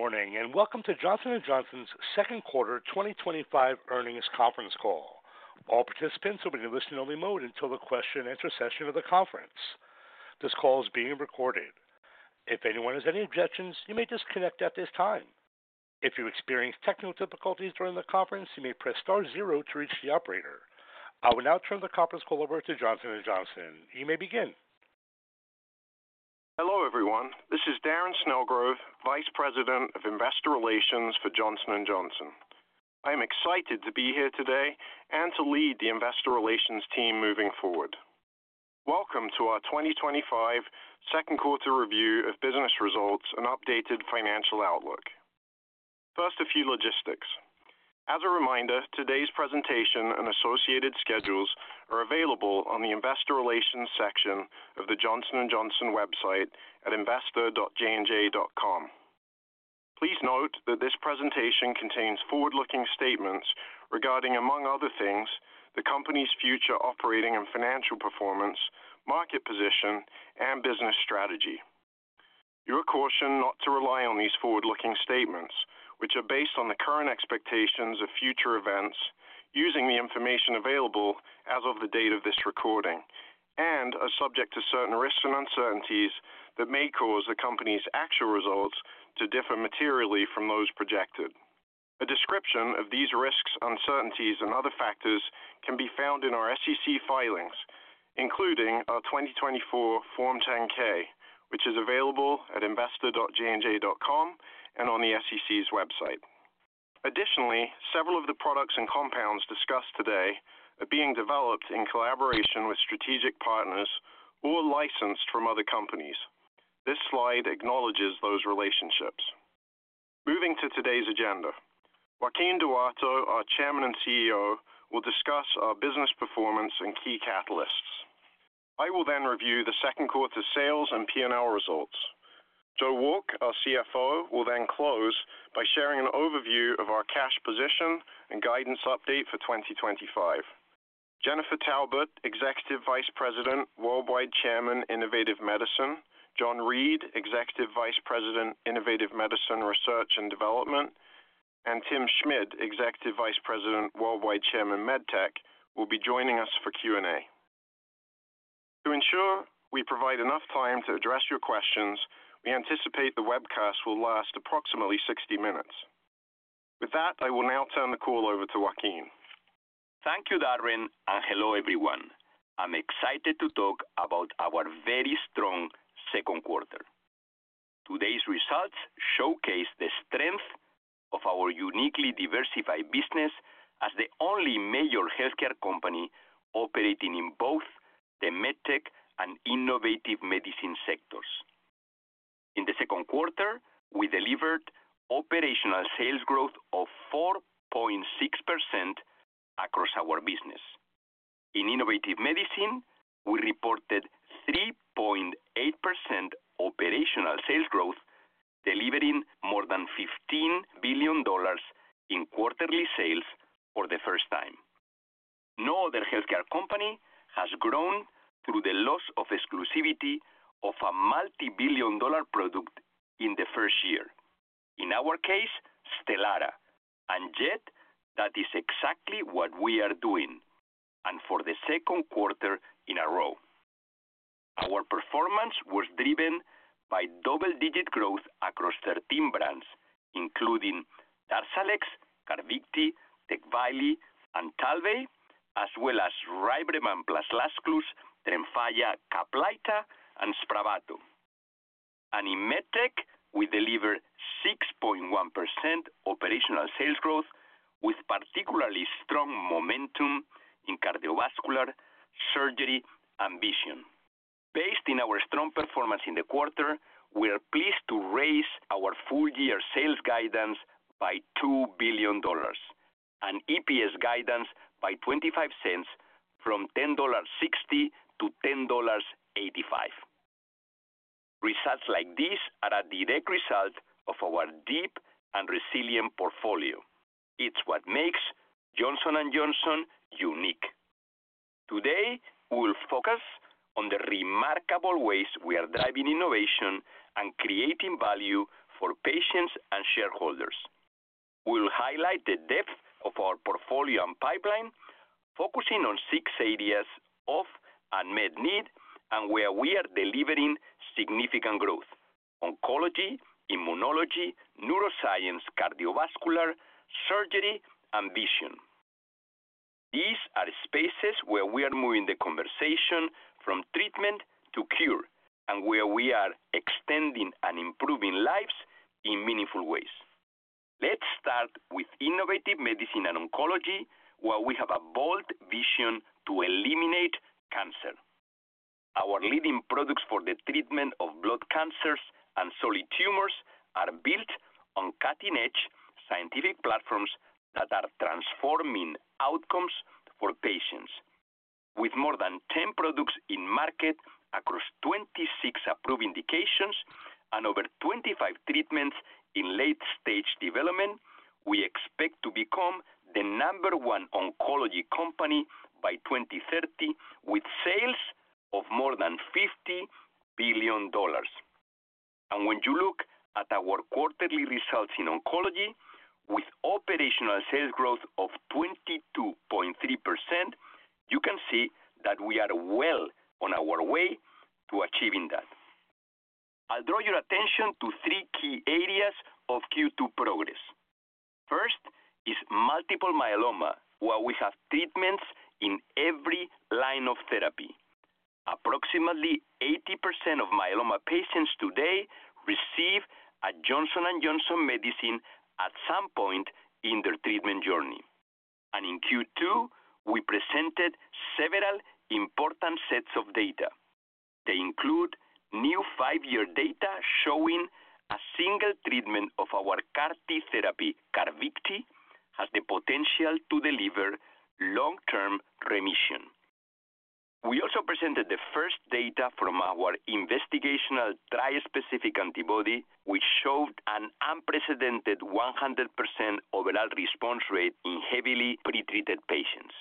Morning, and welcome to Johnson & Johnson's Second Quarter 2025 Earnings Conference Call. All participants will be in listen-only mode until the question-and-answer session of the conference. This call is being recorded. If anyone has any objections, you may disconnect at this time. If you experience technical difficulties during the conference, you may press star zero to reach the operator. I will now turn the conference call over to Johnson & Johnson. You may begin. Hello everyone. This is Darren Snellgrove, Vice President of Investor Relations for Johnson & Johnson. I am excited to be here today and to lead the investor relations team moving forward. Welcome to our 2025 second quarter review of business results and updated financial outlook. First, a few logistics. As a reminder, today's presentation and associated schedules are available on the investor relations section of the Johnson & Johnson website at investor.jnj.com. Please note that this presentation contains forward-looking statements regarding, among other things, the company's future operating and financial performance, market position, and business strategy. You are cautioned not to rely on these forward-looking statements, which are based on the current expectations of future events using the information available as of the date of this recording and are subject to certain risks and uncertainties that may cause the company's actual results to differ materially from those projected. A description of these risks, uncertainties, and other factors can be found in our SEC filings, including our 2024 Form 10-K, which is available at investor.jnj.com and on the SEC's website. Additionally, several of the products and compounds discussed today are being developed in collaboration with strategic partners or licensed from other companies. This slide acknowledges those relationships. Moving to today's agenda, Joaquin Duato, our Chairman and CEO, will discuss our business performance and key catalysts. I will then review the second quarter sales and P&L results. Joe Wolk, our CFO, will then close by sharing an overview of our cash position and guidance update for 2025. Jennifer Taubert, Executive Vice President, Worldwide Chairman, Innovative Medicine; John Reed, Executive Vice President, Innovative Medicine Research and Development; and Tim Schmid, Executive Vice President, Worldwide Chairman, MedTech, will be joining us for Q&A. To ensure we provide enough time to address your questions, we anticipate the webcast will last approximately 60 minutes. With that, I will now turn the call over to Joaquin. Thank you, Darren, and hello everyone. I'm excited to talk about our very strong second quarter. Today's results showcase the strength of our uniquely diversified business as the only major healthcare company operating in both the MedTech and Innovative Medicine sectors. In the second quarter, we delivered operational sales growth of 4.6% across our business. In Innovative Medicine, we reported 3.8% operational sales growth, delivering more than $15 billion in quarterly sales for the first time. No other healthcare company has grown through the loss of exclusivity of a multi-billion dollar product in the first year. In our case, STELARA, and yet that is exactly what we are doing and for the second quarter in a row. Our performance was driven by double-digit growth across 13 brands, including DARZALEX, CARVYKTI, TECVAYLI, and TALVEY, as well as RYBREVANT plus LAZCLUZE, TREMFYA, CAPLYTA, and SPRAVATO. In MedTech, we delivered 6.1% operational sales growth with particularly strong momentum in cardiovascular surgery and vision. Based on our strong performance in the quarter, we are pleased to raise our full-year sales guidance by $2 billion and EPS guidance by $0.25 from $10.60-$10.85. Results like these are a direct result of our deep and resilient portfolio. It's what makes Johnson & Johnson unique. Today, we'll focus on the remarkable ways we are driving innovation and creating value for patients and shareholders. We'll highlight the depth of our portfolio and pipeline, focusing on six areas of unmet need and where we are delivering significant growth, oncology, immunology, neuroscience, cardiovascular, surgery, and vision. These are spaces where we are moving the conversation from treatment to cure and where we are extending and improving lives in meaningful ways. Let's start with Innovative Medicine oncology, where we have a bold vision to eliminate cancer. Our leading products for the treatment of blood cancers and solid tumors are built on cutting-edge scientific platforms that are transforming outcomes for patients. With more than 10 products in market across 26 approved indications and over 25 treatments in late-stage development, we expect to become the number one oncology company by 2030 with sales of more than $50 billion. When you look at our quarterly results in oncology, with operational sales growth of 22.3%, you can see that we are well on our way to achieving that. I'll draw your attention to three key areas of Q2 progress. First is multiple myeloma, where we have treatments in every line of therapy. Approximately 80% of myeloma patients today receive a Johnson & Johnson medicine at some point in their treatment journey. In Q2, we presented several important sets of data. They include new five-year data showing a single treatment of our CAR-T therapy, CARVYKTI, has the potential to deliver long-term remission. We also presented the first data from our investigational tri-specific antibody, which showed an unprecedented 100% overall response rate in heavily pretreated patients.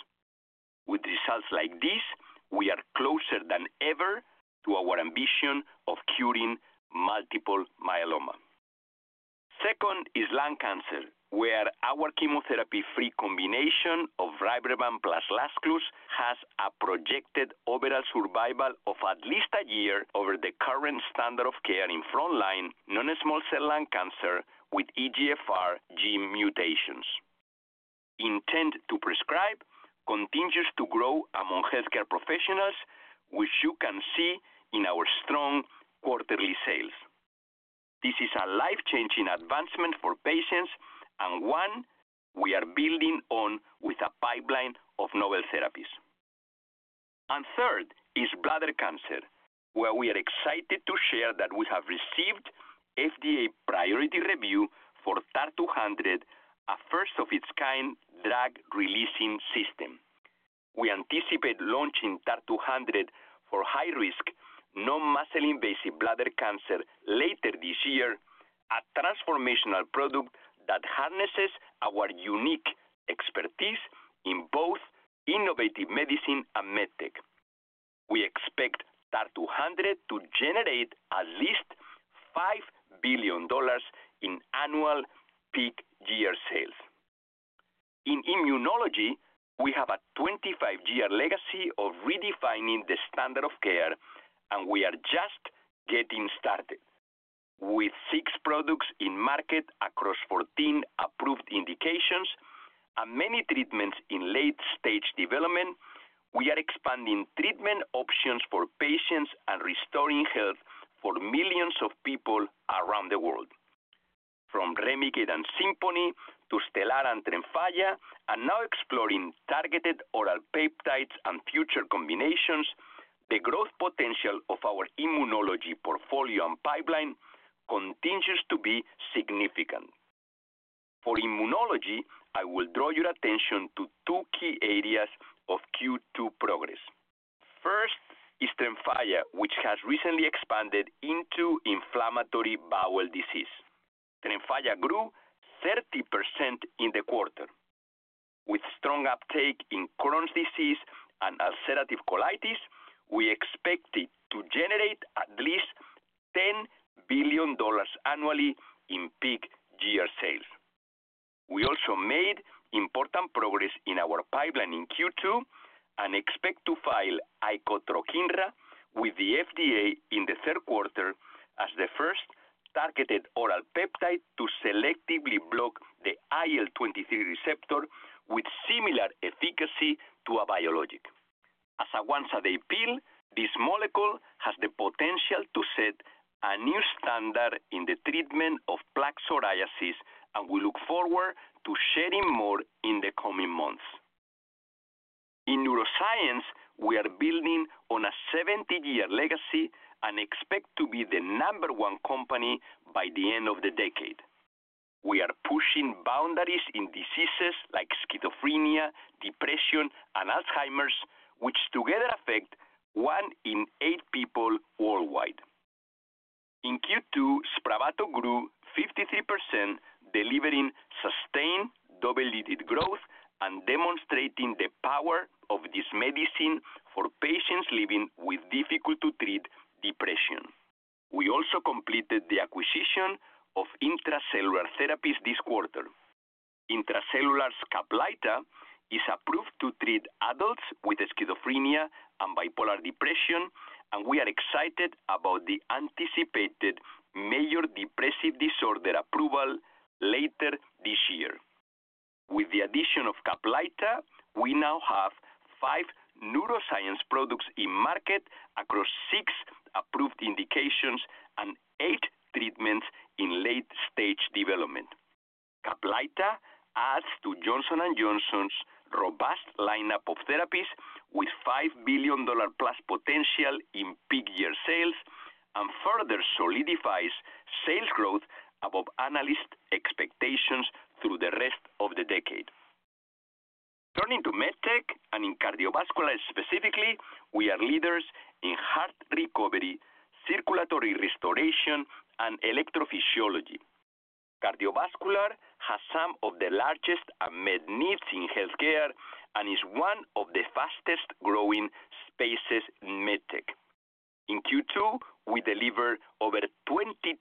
With results like these, we are closer than ever to our ambition of curing multiple myeloma. Second is lung cancer, where our chemotherapy-free combination of RYBREVANT plus LAZCLUZE has a projected overall survival of at least a year over the current standard of care in frontline non-small cell lung cancer with EGFR gene mutations. Intent to prescribe continues to grow among healthcare professionals, which you can see in our strong quarterly sales. This is a life-changing advancement for patients and one we are building on with a pipeline of novel therapies. Third is bladder cancer, where we are excited to share that we have received FDA priority review for TAR-200, a first-of-its-kind drug releasing system. We anticipate launching TAR-200 for high-risk non-muscle invasive bladder cancer later this year, a transformational product that harnesses our unique expertise in both Innovative Medicine and MedTech. We expect TAR-200 to generate at least $5 billion in annual peak year sales. In immunology, we have a 25-year legacy of redefining the standard of care, and we are just getting started. With six products in market across 14 approved indications and many treatments in late-stage development, we are expanding treatment options for patients and restoring health for millions of people around the world. From REMICADE and SIMPONI to STELARA and TREMFYA, and now exploring targeted oral peptides and future combinations, the growth potential of our immunology portfolio and pipeline continues to be significant. For immunology, I will draw your attention to two key areas of Q2 progress. First is TREMFYA, which has recently expanded into inflammatory bowel disease. TREMFYA grew 30% in the quarter. With strong uptake in Crohn's disease and ulcerative colitis, we expect it to generate at least $10 billion annually in peak year sales. We also made important progress in our pipeline in Q2 and expect to file icotrokinra with the FDA in the third quarter as the first targeted oral peptide to selectively block the IL-23 receptor with similar efficacy to a biologic. As a once-a-day pill, this molecule has the potential to set a new standard in the treatment of plaque psoriasis, and we look forward to sharing more in the coming months. In neuroscience, we are building on a 70-year legacy and expect to be the number one company by the end of the decade. We are pushing boundaries in diseases like schizophrenia, depression, and Alzheimer's, which together affect one in eight people worldwide. In Q2, SPRAVATO grew 53%, delivering sustained double-digit growth and demonstrating the power of this medicine for patients living with difficult-to-treat depression. We also completed the acquisition of Intra-Cellular Therapies this quarter. Intra-Cellular's CAPLYTA is approved to treat adults with schizophrenia and bipolar depression, and we are excited about the anticipated major depressive disorder approval later this year. With the addition of CAPLYTA, we now have five neuroscience products in market across six approved indications and eight treatments in late-stage development. CAPLYTA adds to Johnson & Johnson's robust lineup of therapies with $5 billion+ potential in peak year sales and further solidifies sales growth above analyst expectations through the rest of the decade. Turning to MedTech and in cardiovascular specifically, we are leaders in heart recovery, circulatory restoration, and electrophysiology. Cardiovascular has some of the largest unmet needs in healthcare and is one of the fastest-growing spaces in MedTech. In Q2, we delivered over 22%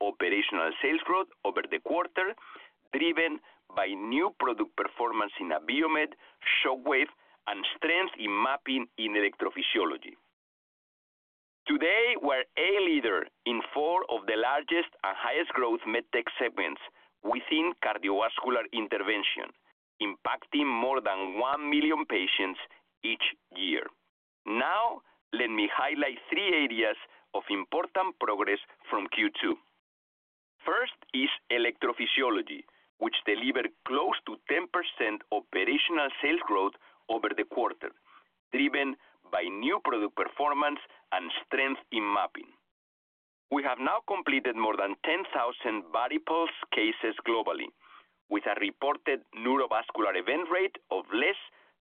operational sales growth over the quarter, driven by new product performance in Abiomed, Shockwave, and strength in mapping in electrophysiology. Today, we're a leader in four of the largest and highest-growth MedTech segments within cardiovascular intervention, impacting more than 1 million patients each year. Now, let me highlight three areas of important progress from Q2. First is electrophysiology, which delivered close to 10% operational sales growth over the quarter, driven by new product performance and strength in mapping. We have now completed more than 10,000 VARIPULSE cases globally, with a reported neurovascular event rate of less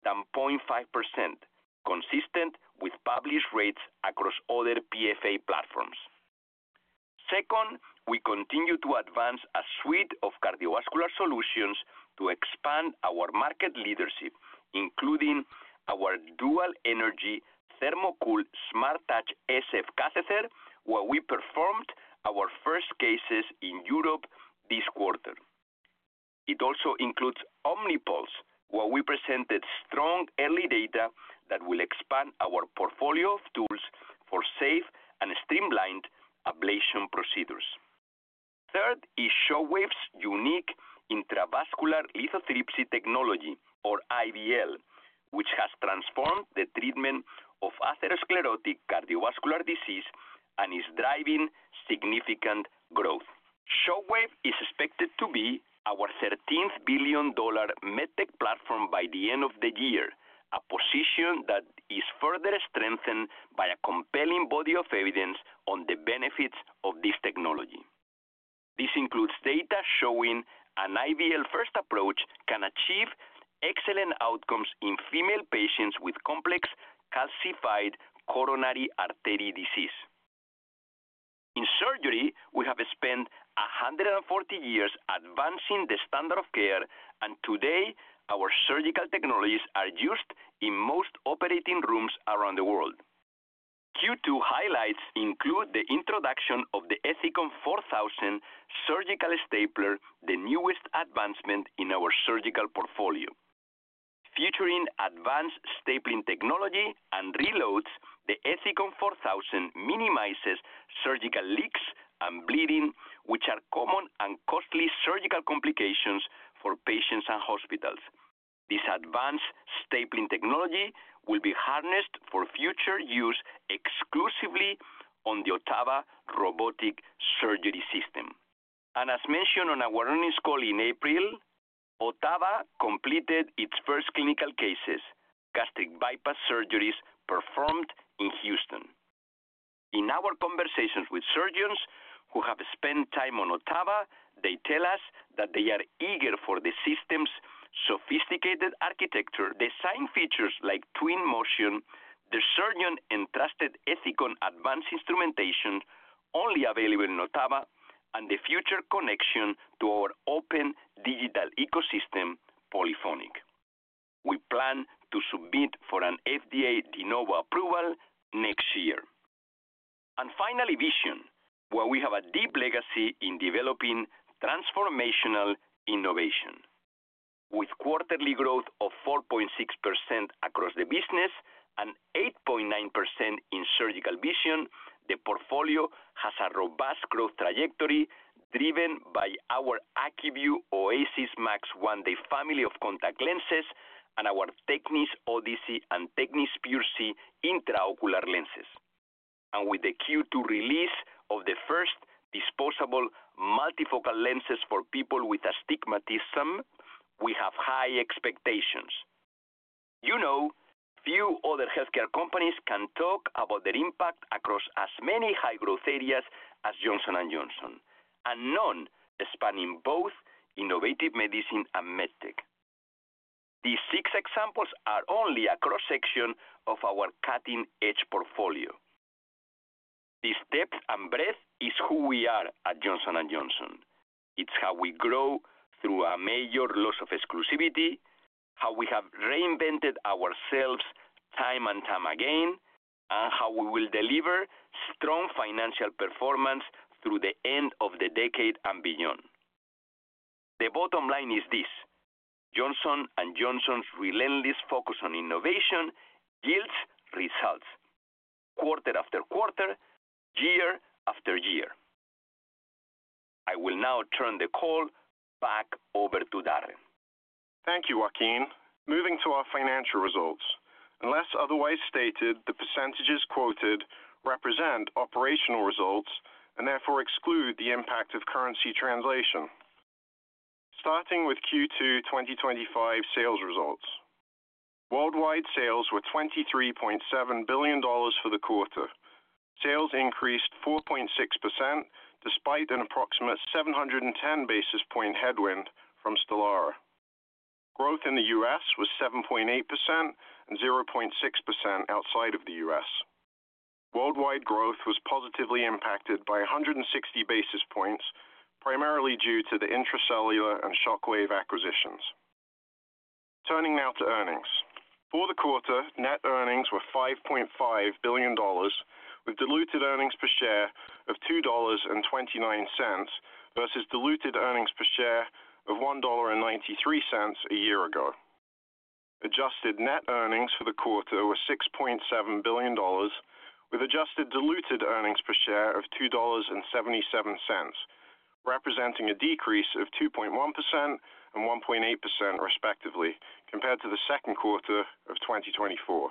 than 0.5%, consistent with published rates across other PFA platforms. Second, we continue to advance a suite of cardiovascular solutions to expand our market leadership, including our Dual Energy THERMOCOOL SMARTTOUCH SF Catheter, where we performed our first cases in Europe this quarter. It also includes OMNYPULSE, where we presented strong early data that will expand our portfolio of tools for safe and streamlined ablation procedures. Third is Shockwave's unique intravascular lithotripsy technology, or IVL, which has transformed the treatment of atherosclerotic cardiovascular disease and is driving significant growth. Shockwave is expected to be our $13 billion MedTech platform by the end of the year, a position that is further strengthened by a compelling body of evidence on the benefits of this technology. This includes data showing an IVL-first approach can achieve excellent outcomes in female patients with complex calcified coronary artery disease. In surgery, we have spent 140 years advancing the standard of care, and today, our surgical technologies are used in most operating rooms around the world. Q2 highlights include the introduction of the ETHICON 4000 surgical stapler, the newest advancement in our surgical portfolio. Futuring advanced stapling technology and reloads, the ETHICON 4000 minimizes surgical leaks and bleeding, which are common and costly surgical complications for patients and hospitals. This advanced stapling technology will be harnessed for future use exclusively on the OTTAVA robotic surgery system. As mentioned on our earnings call in April, OTTAVA completed its first clinical cases, gastric bypass surgeries performed in Houston. In our conversations with surgeons who have spent time on OTTAVA, they tell us that they are eager for the system's sophisticated architecture, design features like twin motion, the surgeon-entrusted ETHICON advanced instrumentation only available in OTTAVA, and the future connection to our open digital ecosystem, Polyphonic. We plan to submit for an FDA De Novo approval next year. Finally, vision, where we have a deep legacy in developing transformational innovation. With quarterly growth of 4.6% across the business and 8.9% in surgical vision, the portfolio has a robust growth trajectory driven by our ACUVUE OASYS MAX 1-DAY family of contact lenses and our TECNIS Odyssey and TECNIS PureSee intraocular lenses. With the Q2 release of the first disposable multifocal lenses for people with astigmatism, we have high expectations. You know, few other healthcare companies can talk about their impact across as many high-growth areas as Johnson & Johnson, and none spanning both Innovative Medicine and MedTech. These six examples are only a cross-section of our cutting-edge portfolio. This depth and breadth is who we are at Johnson & Johnson. It's how we grow through a major loss of exclusivity, how we have reinvented ourselves time and time again, and how we will deliver strong financial performance through the end of the decade and beyond. The bottom line is this: Johnson & Johnson's relentless focus on innovation yields results, quarter after quarter, year after year. I will now turn the call back over to Darren. Thank you, Joaquin. Moving to our financial results. Unless otherwise stated, the percentages quoted represent operational results and therefore exclude the impact of currency translation. Starting with Q2 2025 sales results. Worldwide sales were $23.7 billion for the quarter. Sales increased 4.6% despite an approximate 710 basis point headwind from STELARA. Growth in the U.S. was 7.8% and 0.6% outside of the U.S. Worldwide growth was positively impacted by 160 basis points, primarily due to the Intra-Cellular and Shockwave acquisitions. Turning now to earnings. For the quarter, net earnings were $5.5 billion, with diluted earnings per share of $2.29 versus diluted earnings per share of $1.93 a year ago. Adjusted net earnings for the quarter were $6.7 billion, with adjusted diluted earnings per share of $2.77, representing a decrease of 2.1% and 1.8%, respectively, compared to the second quarter of 2024.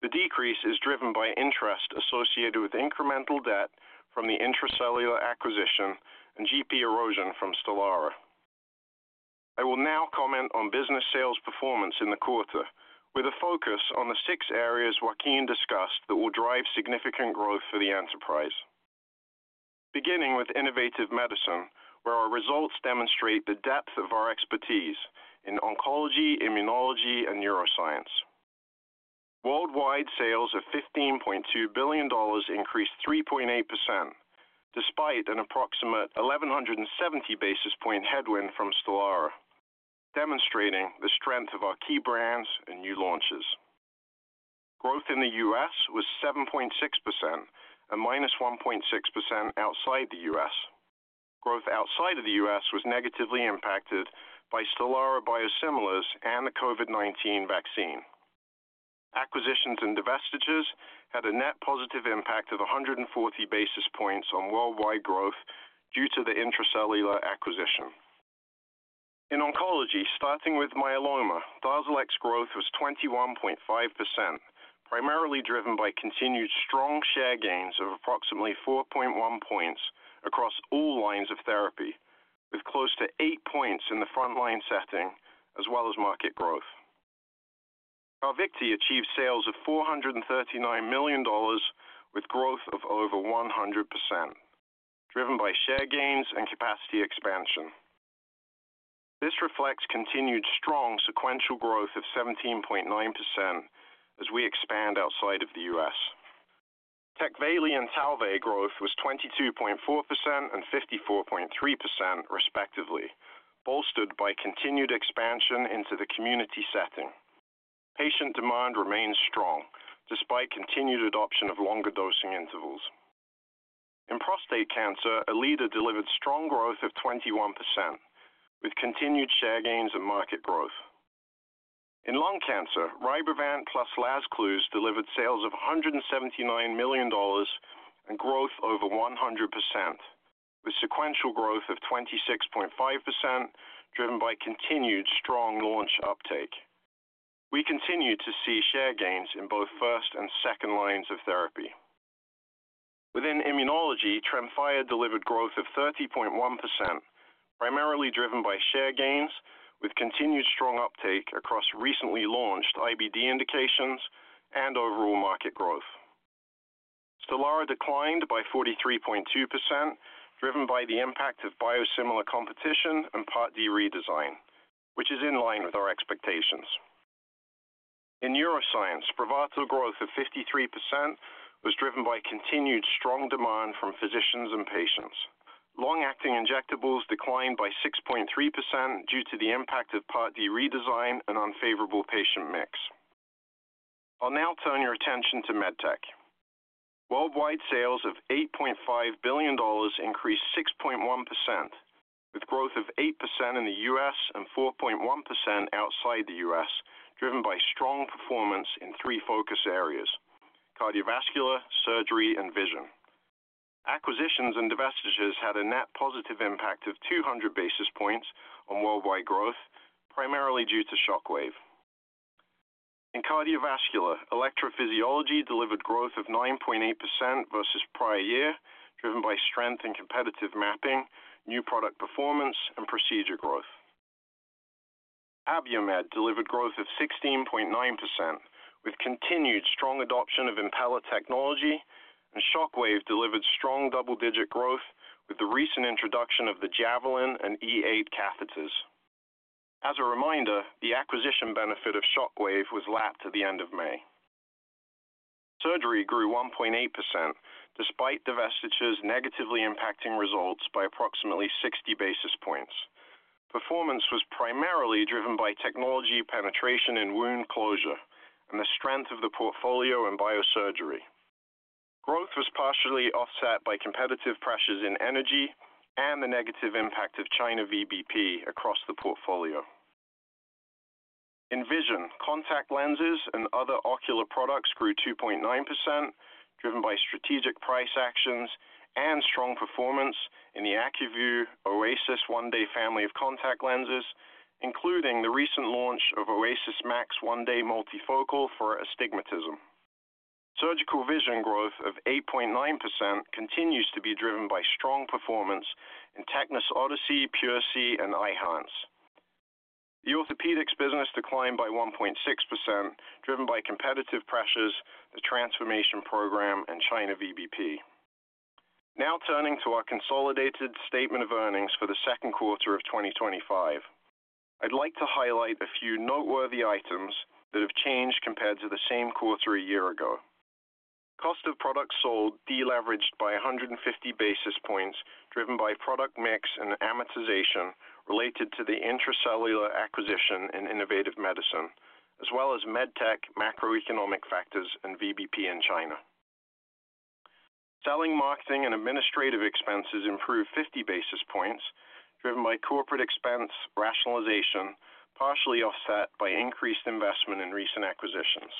The decrease is driven by interest associated with incremental debt from the Intra-Cellular acquisition and GP erosion from STELARA. I will now comment on business sales performance in the quarter, with a focus on the six areas Joaquin discussed that will drive significant growth for the enterprise. Beginning with Innovative Medicine, where our results demonstrate the depth of our expertise in oncology, immunology, and neuroscience. Worldwide sales of $15.2 billion increased 3.8%, despite an approximate 1,170 basis point headwind from STELARA, demonstrating the strength of our key brands and new launches. Growth in the U.S. was 7.6% and -1.6% outside the U.S. Growth outside of the U.S. was negatively impacted by STELARA biosimilars and the COVID-19 vaccine. Acquisitions and divestitures had a net positive impact of 140 basis points on worldwide growth due to the Intra-Cellular acquisition. In oncology, starting with myeloma, DARZALEX growth was 21.5%, primarily driven by continued strong share gains of approximately 4.1 points across all lines of therapy, with close to 8 points in the frontline setting, as well as market growth. CARVYKTI achieved sales of $439 million, with growth of over 100%, driven by share gains and capacity expansion. This reflects continued strong sequential growth of 17.9% as we expand outside of the U.S. TECVAYLI and TALVEY growth was 22.4% and 54.3%, respectively, bolstered by continued expansion into the community setting. Patient demand remains strong despite continued adoption of longer dosing intervals. In prostate cancer, ERLEADA delivered strong growth of 21%, with continued share gains and market growth. In lung cancer, RYBREVANT plus LAZCLUZE delivered sales of $179 million and growth over 100%, with sequential growth of 26.5%, driven by continued strong launch uptake. We continue to see share gains in both first and second lines of therapy. Within immunology, TREMFYA delivered growth of 30.1%, primarily driven by share gains, with continued strong uptake across recently launched IBD indications and overall market growth. STELARA declined by 43.2%, driven by the impact of biosimilar competition and Part D redesign, which is in line with our expectations. In neuroscience, SPRAVATO growth of 53% was driven by continued strong demand from physicians and patients. Long-acting injectables declined by 6.3% due to the impact of Part D redesign and unfavorable patient mix. I'll now turn your attention to MedTech. Worldwide sales of $8.5 billion increased 6.1%, with growth of 8% in the U.S. and 4.1% outside the U.S., driven by strong performance in three focus areas, cardiovascular, surgery, and vision. Acquisitions and divestitures had a net positive impact of 200 basis points on worldwide growth, primarily due to Shockwave. In cardiovascular, electrophysiology delivered growth of 9.8% versus prior year, driven by strength in competitive mapping, new product performance, and procedure growth. Abiomed delivered growth of 16.9%, with continued strong adoption of Impella Technology, and Shockwave delivered strong double-digit growth with the recent introduction of the Javelin and E8 catheters. As a reminder, the acquisition benefit of Shockwave was lapped at the end of May. Surgery grew 1.8%, despite divestitures negatively impacting results by approximately 60 basis points. Performance was primarily driven by technology penetration and wound closure, and the strength of the portfolio and biosurgery. Growth was partially offset by competitive pressures in energy and the negative impact of China VBP across the portfolio. In vision, contact lenses and other ocular products grew 2.9%, driven by strategic price actions and strong performance in the ACUVUE OASYS 1-Day family of contact lenses, including the recent launch of OASYS MAX 1-Day MULTIFOCAL for astigmatism. Surgical vision growth of 8.9% continues to be driven by strong performance in TECNIS Odyssey, PureSee, and Eyehance. The orthopedics business declined by 1.6%, driven by competitive pressures, the transformation program, and China VBP. Now turning to our consolidated statement of earnings for the second quarter of 2025, I'd like to highlight a few noteworthy items that have changed compared to the same quarter a year ago. Cost of product sold deleveraged by 150 basis points, driven by product mix and amortization related to the Intra-Cellular acquisition in Innovative Medicine, as well as MedTech macroeconomic factors and VBP in China. Selling, marketing, and administrative expenses improved 50 basis points, driven by corporate expense rationalization, partially offset by increased investment in recent acquisitions.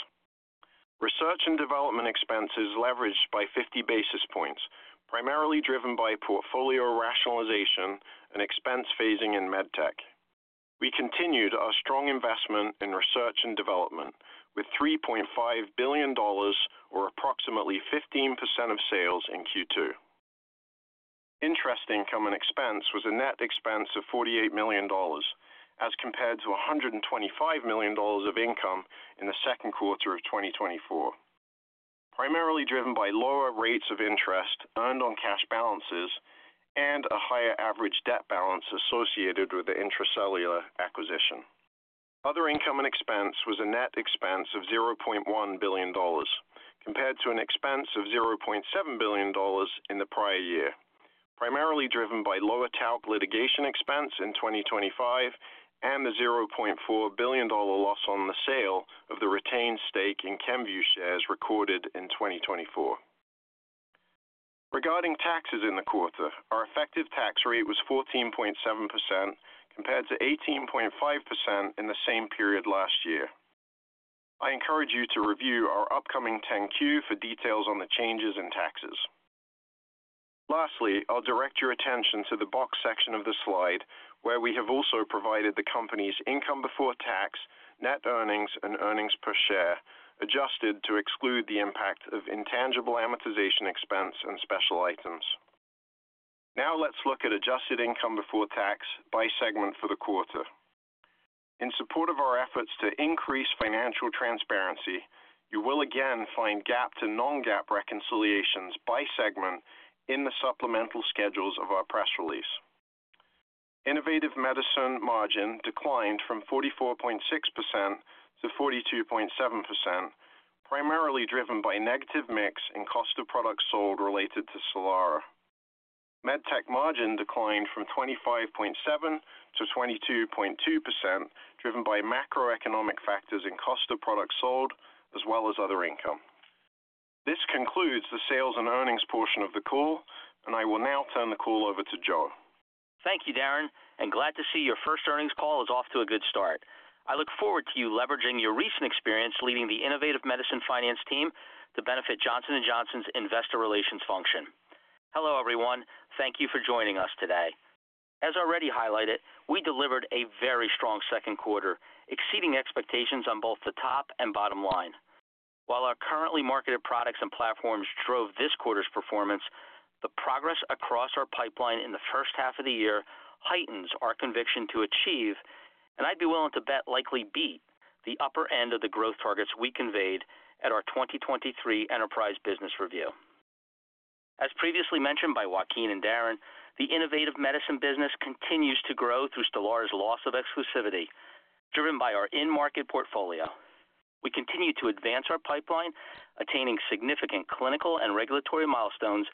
Research and development expenses leveraged by 50 basis points, primarily driven by portfolio rationalization and expense phasing in MedTech. We continued our strong investment in research and development, with $3.5 billion, or approximately 15% of sales, in Q2. Interest income and expense was a net expense of $48 million, as compared to $125 million of income in the second quarter of 2024, primarily driven by lower rates of interest earned on cash balances and a higher average debt balance associated with the Intra-Cellular acquisition. Other income and expense was a net expense of $0.1 billion, compared to an expense of $0.7 billion in the prior year, primarily driven by lower talc litigation expense in 2025 and the $0.4 billion loss on the sale of the retained stake in Kenvue shares recorded in 2024. Regarding taxes in the quarter, our effective tax rate was 14.7%, compared to 18.5% in the same period last year. I encourage you to review our upcoming 10-Q for details on the changes in taxes. Lastly, I'll direct your attention to the box section of the slide, where we have also provided the company's income before tax, net earnings, and earnings per share, adjusted to exclude the impact of intangible amortization expense and special items. Now let's look at adjusted income before tax by segment for the quarter. In support of our efforts to increase financial transparency, you will again find GAAP to non-GAAP reconciliations by segment in the supplemental schedules of our press release. Innovative Medicine margin declined from 44.6% to 42.7%, primarily driven by negative mix in cost of product sold related to STELARA. MedTech margin declined from 25.7% to 22.2%, driven by macroeconomic factors in cost of product sold, as well as other income. This concludes the sales and earnings portion of the call, and I will now turn the call over to Joe. Thank you, Darren, and glad to see your first earnings call is off to a good start. I look forward to you leveraging your recent experience leading the Innovative Medicine finance team to benefit Johnson & Johnson's investor relations function. Hello, everyone. Thank you for joining us today. As already highlighted, we delivered a very strong second quarter, exceeding expectations on both the top and bottom line. While our currently marketed products and platforms drove this quarter's performance, the progress across our pipeline in the first half of the year heightens our conviction to achieve, and I'd be willing to bet likely beat the upper end of the growth targets we conveyed at our 2023 enterprise business review. As previously mentioned by Joaquin and Darren, the Innovative Medicine business continues to grow through STELARA's loss of exclusivity, driven by our in-market portfolio. We continue to advance our pipeline, attaining significant clinical and regulatory milestones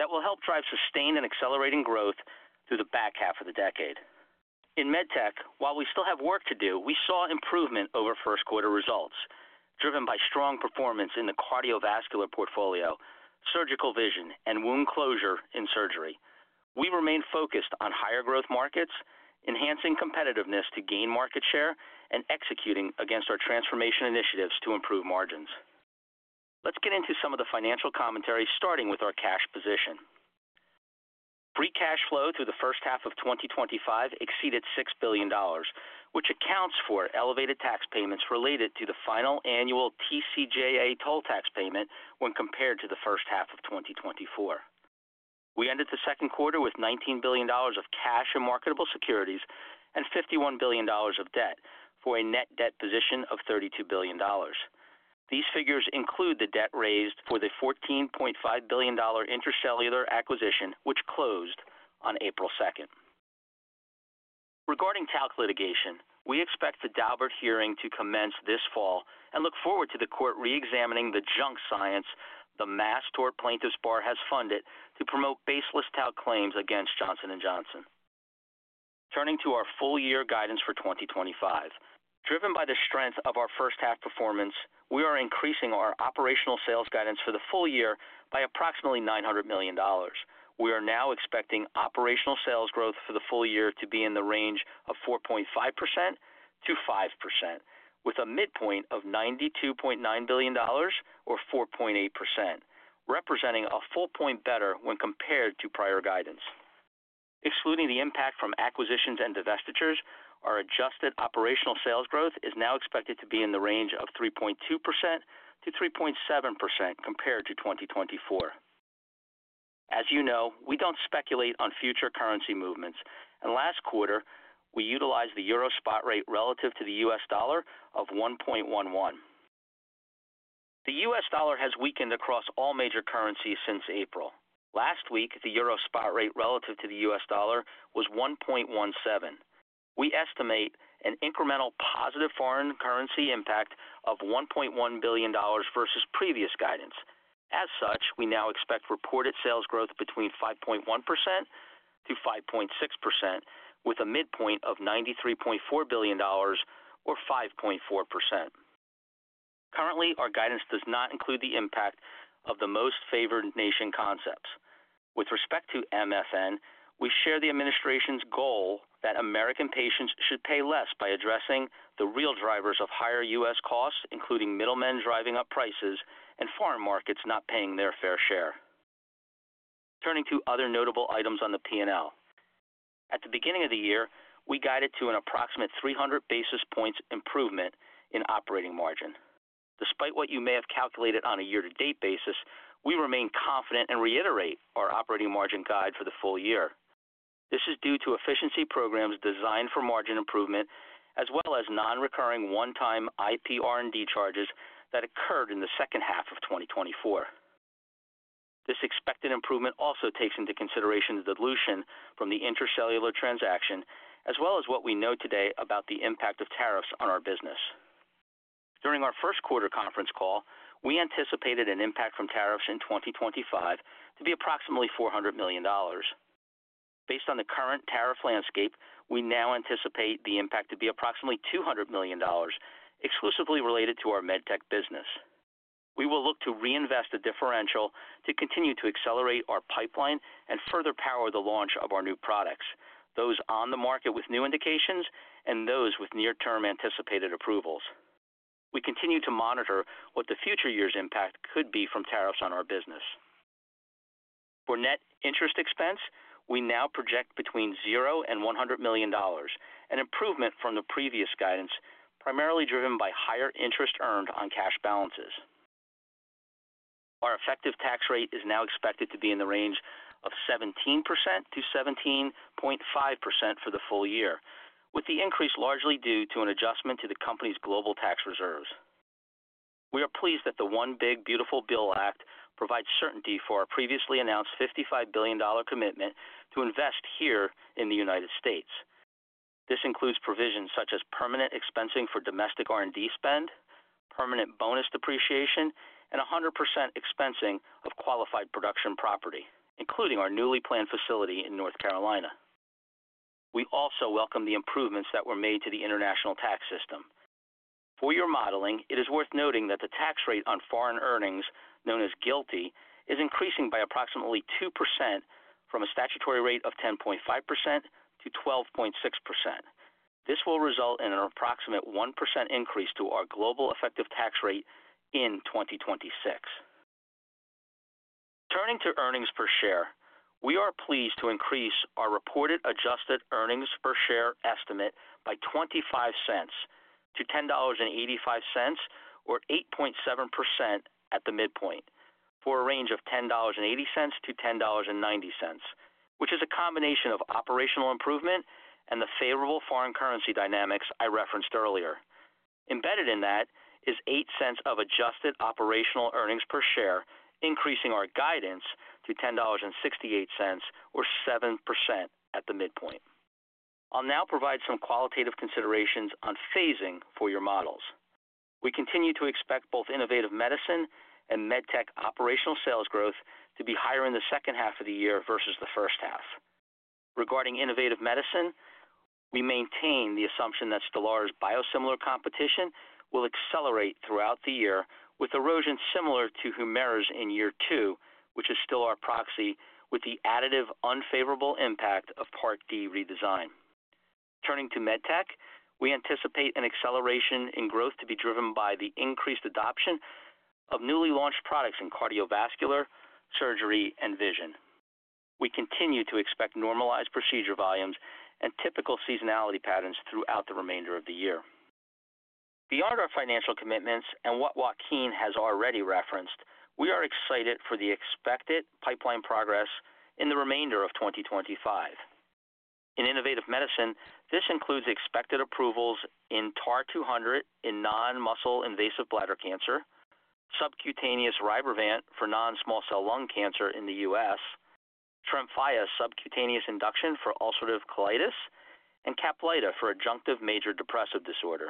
that will help drive sustained and accelerating growth through the back half of the decade. In MedTech, while we still have work to do, we saw improvement over first quarter results, driven by strong performance in the cardiovascular portfolio, surgical vision, and wound closure in surgery. We remain focused on higher growth markets, enhancing competitiveness to gain market share, and executing against our transformation initiatives to improve margins. Let's get into some of the financial commentary, starting with our cash position. Free cash flow through the first half of 2025 exceeded $6 billion, which accounts for elevated tax payments related to the final annual TCJA toll tax payment when compared to the first half of 2024. We ended the second quarter with $19 billion of cash and marketable securities and $51 billion of debt for a net debt position of $32 billion. These figures include the debt raised for the $14.5 billion Intra-Cellular acquisition, which closed on April 2nd. Regarding talc litigation, we expect the Daubert hearing to commence this fall and look forward to the court re-examining the junk science the Mass Tort plaintiffs' bar has funded to promote baseless talc claims against Johnson & Johnson. Turning to our full-year guidance for 2025, driven by the strength of our first-half performance, we are increasing our operational sales guidance for the full year by approximately $900 million. We are now expecting operational sales growth for the full year to be in the range of 4.5%-5%, with a midpoint of $92.9 billion, or 4.8%, representing a full point better when compared to prior guidance. Excluding the impact from acquisitions and divestitures, our adjusted operational sales growth is now expected to be in the range of 3.2%-3.7% compared to 2024. As you know, we don't speculate on future currency movements, and last quarter, we utilized the euro spot rate relative to the U.S. dollar of $1.11. The U.S. dollar has weakened across all major currencies since April. Last week, the euro spot rate relative to the U.S. dollar was $1.17. We estimate an incremental positive foreign currency impact of $1.1 billion versus previous guidance. As such, we now expect reported sales growth between 5.1%-5.6%, with a midpoint of $93.4 billion, or 5.4%. Currently, our guidance does not include the impact of the most favored nation concepts. With respect to MFN, we share the administration's goal that American patients should pay less by addressing the real drivers of higher U.S. costs, including middlemen driving up prices and foreign markets not paying their fair share. Turning to other notable items on the P&L. At the beginning of the year, we guided to an approximate 300 basis points improvement in operating margin. Despite what you may have calculated on a year-to-date basis, we remain confident and reiterate our operating margin guide for the full year. This is due to efficiency programs designed for margin improvement, as well as non-recurring one-time IP R&D charges that occurred in the second half of 2024. This expected improvement also takes into consideration the dilution from the Intra-Cellular transaction, as well as what we know today about the impact of tariffs on our business. During our first quarter conference call, we anticipated an impact from tariffs in 2025 to be approximately $400 million. Based on the current tariff landscape, we now anticipate the impact to be approximately $200 million, exclusively related to our MedTech business. We will look to reinvest the differential to continue to accelerate our pipeline and further power the launch of our new products, those on the market with new indications and those with near-term anticipated approvals. We continue to monitor what the future year's impact could be from tariffs on our business. For net interest expense, we now project between $0 and $100 million, an improvement from the previous guidance, primarily driven by higher interest earned on cash balances. Our effective tax rate is now expected to be in the range of 17%-17.5% for the full year, with the increase largely due to an adjustment to the company's global tax reserves. We are pleased that the One Big Beautiful Bill Act provides certainty for our previously announced $55 billion commitment to invest here in the United States. This includes provisions such as permanent expensing for domestic R&D spend, permanent bonus depreciation, and 100% expensing of qualified production property, including our newly planned facility in North Carolina. We also welcome the improvements that were made to the international tax system. For your modeling, it is worth noting that the tax rate on foreign earnings, known as GILTI, is increasing by approximately 2% from a statutory rate of 10.5% to 12.6%. This will result in an approximate 1% increase to our global effective tax rate in 2026. Returning to earnings per share, we are pleased to increase our reported adjusted earnings per share estimate by $0.25 to $10.85, or 8.7% at the midpoint, for a range of $10.80-$10.90, which is a combination of operational improvement and the favorable foreign currency dynamics I referenced earlier. Embedded in that is $0.08 of adjusted operational earnings per share, increasing our guidance to $10.68, or 7% at the midpoint. I'll now provide some qualitative considerations on phasing for your models. We continue to expect both Innovative Medicine and MedTech operational sales growth to be higher in the second half of the year versus the first half. Regarding Innovative Medicine, we maintain the assumption that STELARA's biosimilar competition will accelerate throughout the year, with erosion similar to HUMIRA's in year two, which is still our proxy, with the additive unfavorable impact of Part D redesign. Turning to MedTech, we anticipate an acceleration in growth to be driven by the increased adoption of newly launched products in cardiovascular surgery and vision. We continue to expect normalized procedure volumes and typical seasonality patterns throughout the remainder of the year. Beyond our financial commitments and what Joaquin has already referenced, we are excited for the expected pipeline progress in the remainder of 2025. In Innovative Medicine, this includes expected approvals in TAR-200 in non-muscle invasive bladder cancer, subcutaneous RYBREVANT for non-small cell lung cancer in the U.S., TREMFYA subcutaneous induction for ulcerative colitis, and CAPLYTA for adjunctive major depressive disorder.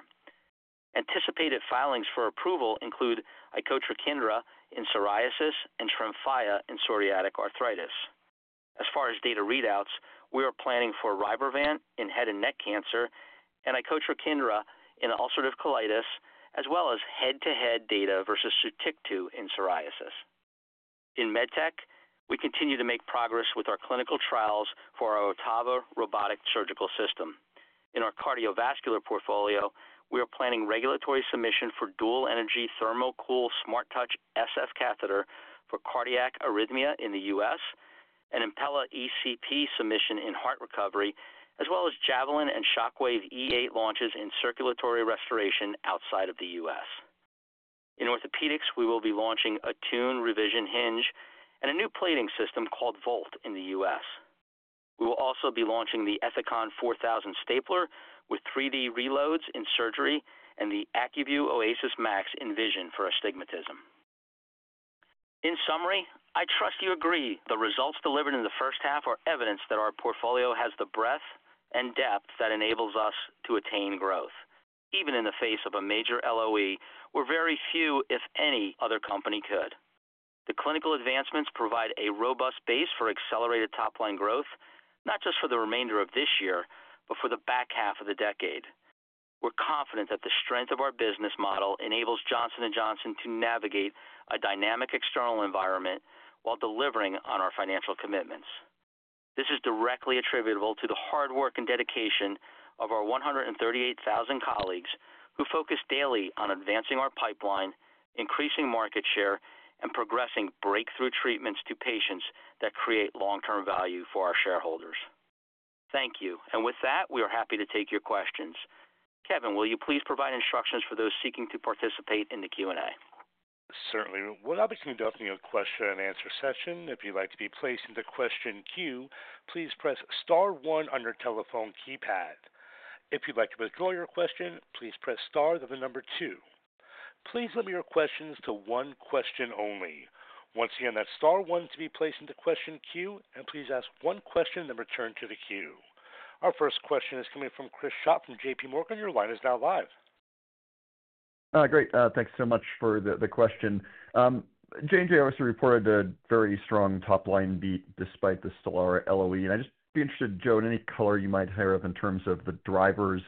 Anticipated filings for approval include icotrokinra in psoriasis and TREMFYA in psoriatic arthritis. As far as data readouts, we are planning for RYBREVANT in head and neck cancer and icotrokinra in ulcerative colitis, as well as head-to-head data versus STELARA in psoriasis. In MedTech, we continue to make progress with our clinical trials for our OTTAVA robotic surgical system. In our cardiovascular portfolio, we are planning regulatory submission for Dual Energy THERMOCOOL SMARTTOUCH SF Catheter for cardiac arrhythmia in the U.S., an Impella ECP submission in heart recovery, as well as Javelin and Shockwave E8 launches in circulatory restoration outside of the U.S. In orthopedics, we will be launching ATTUNE Revision hinge and a new plating system called VOLT in the U.S. We will also be launching the ETHICON 4000 stapler with 3D reloads in surgery and the ACUVUE OASYS MAX in vision for astigmatism. In summary, I trust you agree the results delivered in the first half are evidence that our portfolio has the breadth and depth that enables us to attain growth, even in the face of a major LOE where very few, if any, other company could. The clinical advancements provide a robust base for accelerated top-line growth, not just for the remainder of this year, but for the back half of the decade. We're confident that the strength of our business model enables Johnson & Johnson to navigate a dynamic external environment while delivering on our financial commitments. This is directly attributable to the hard work and dedication of our 138,000 colleagues who focus daily on advancing our pipeline, increasing market share, and progressing breakthrough treatments to patients that create long-term value for our shareholders. Thank you. With that, we are happy to take your questions. Kevin, will you please provide instructions for those seeking to participate in the Q&A? Certainly. We'll now begin the opening of the question-and-answer session. If you'd like to be placed in the question queue, please press star one on your telephone keypad. If you'd like to withdraw your question, please press star then the number two. Please limit your questions to one question only. Once again, that's star one to be placed in the question queue, and please ask one question and then return to the queue. Our first question is coming from Chris Schott from JPMorgan. Your line is now live. Great. Thanks so much for the question. J&J obviously reported a very strong top-line beat despite the STELARA LOE. And I'd just be interested, Joe, in any color you might higher up in terms of the drivers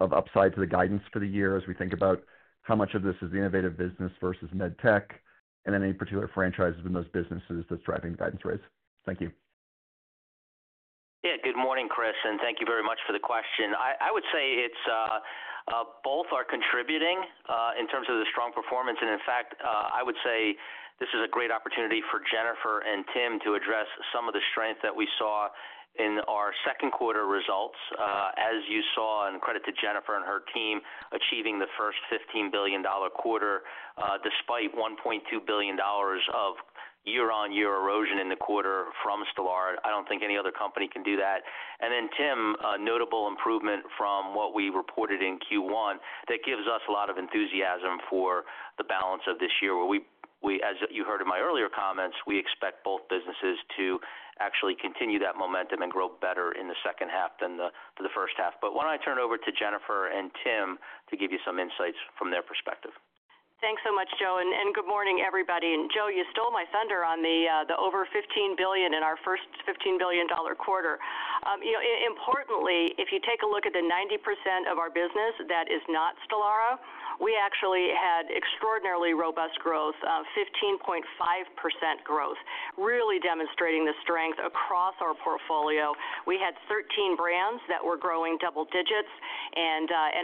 of upside to the guidance for the year as we think about how much of this is the Innovative business versus MedTech, and then any particular franchises in those businesses that's driving the guidance raise. Thank you. Yeah. Good morning, Chris, and thank you very much for the question. I would say both are contributing in terms of the strong performance. In fact, I would say this is a great opportunity for Jennifer and Tim to address some of the strength that we saw in our second quarter results, as you saw, and credit to Jennifer and her team achieving the first $15 billion quarter despite $1.2 billion of year-on-year erosion in the quarter from STELARA. I do not think any other company can do that. Tim, notable improvement from what we reported in Q1 that gives us a lot of enthusiasm for the balance of this year. As you heard in my earlier comments, we expect both businesses to actually continue that momentum and grow better in the second half than the first half. Why do I not turn it over to Jennifer and Tim to give you some insights from their perspective? Thanks so much, Joe. Good morning, everybody. Joe, you stole my thunder on the over $15 billion in our first $15 billion quarter. Importantly, if you take a look at the 90% of our business that is not STELARA, we actually had extraordinarily robust growth, 15.5% growth, really demonstrating the strength across our portfolio. We had 13 brands that were growing double digits.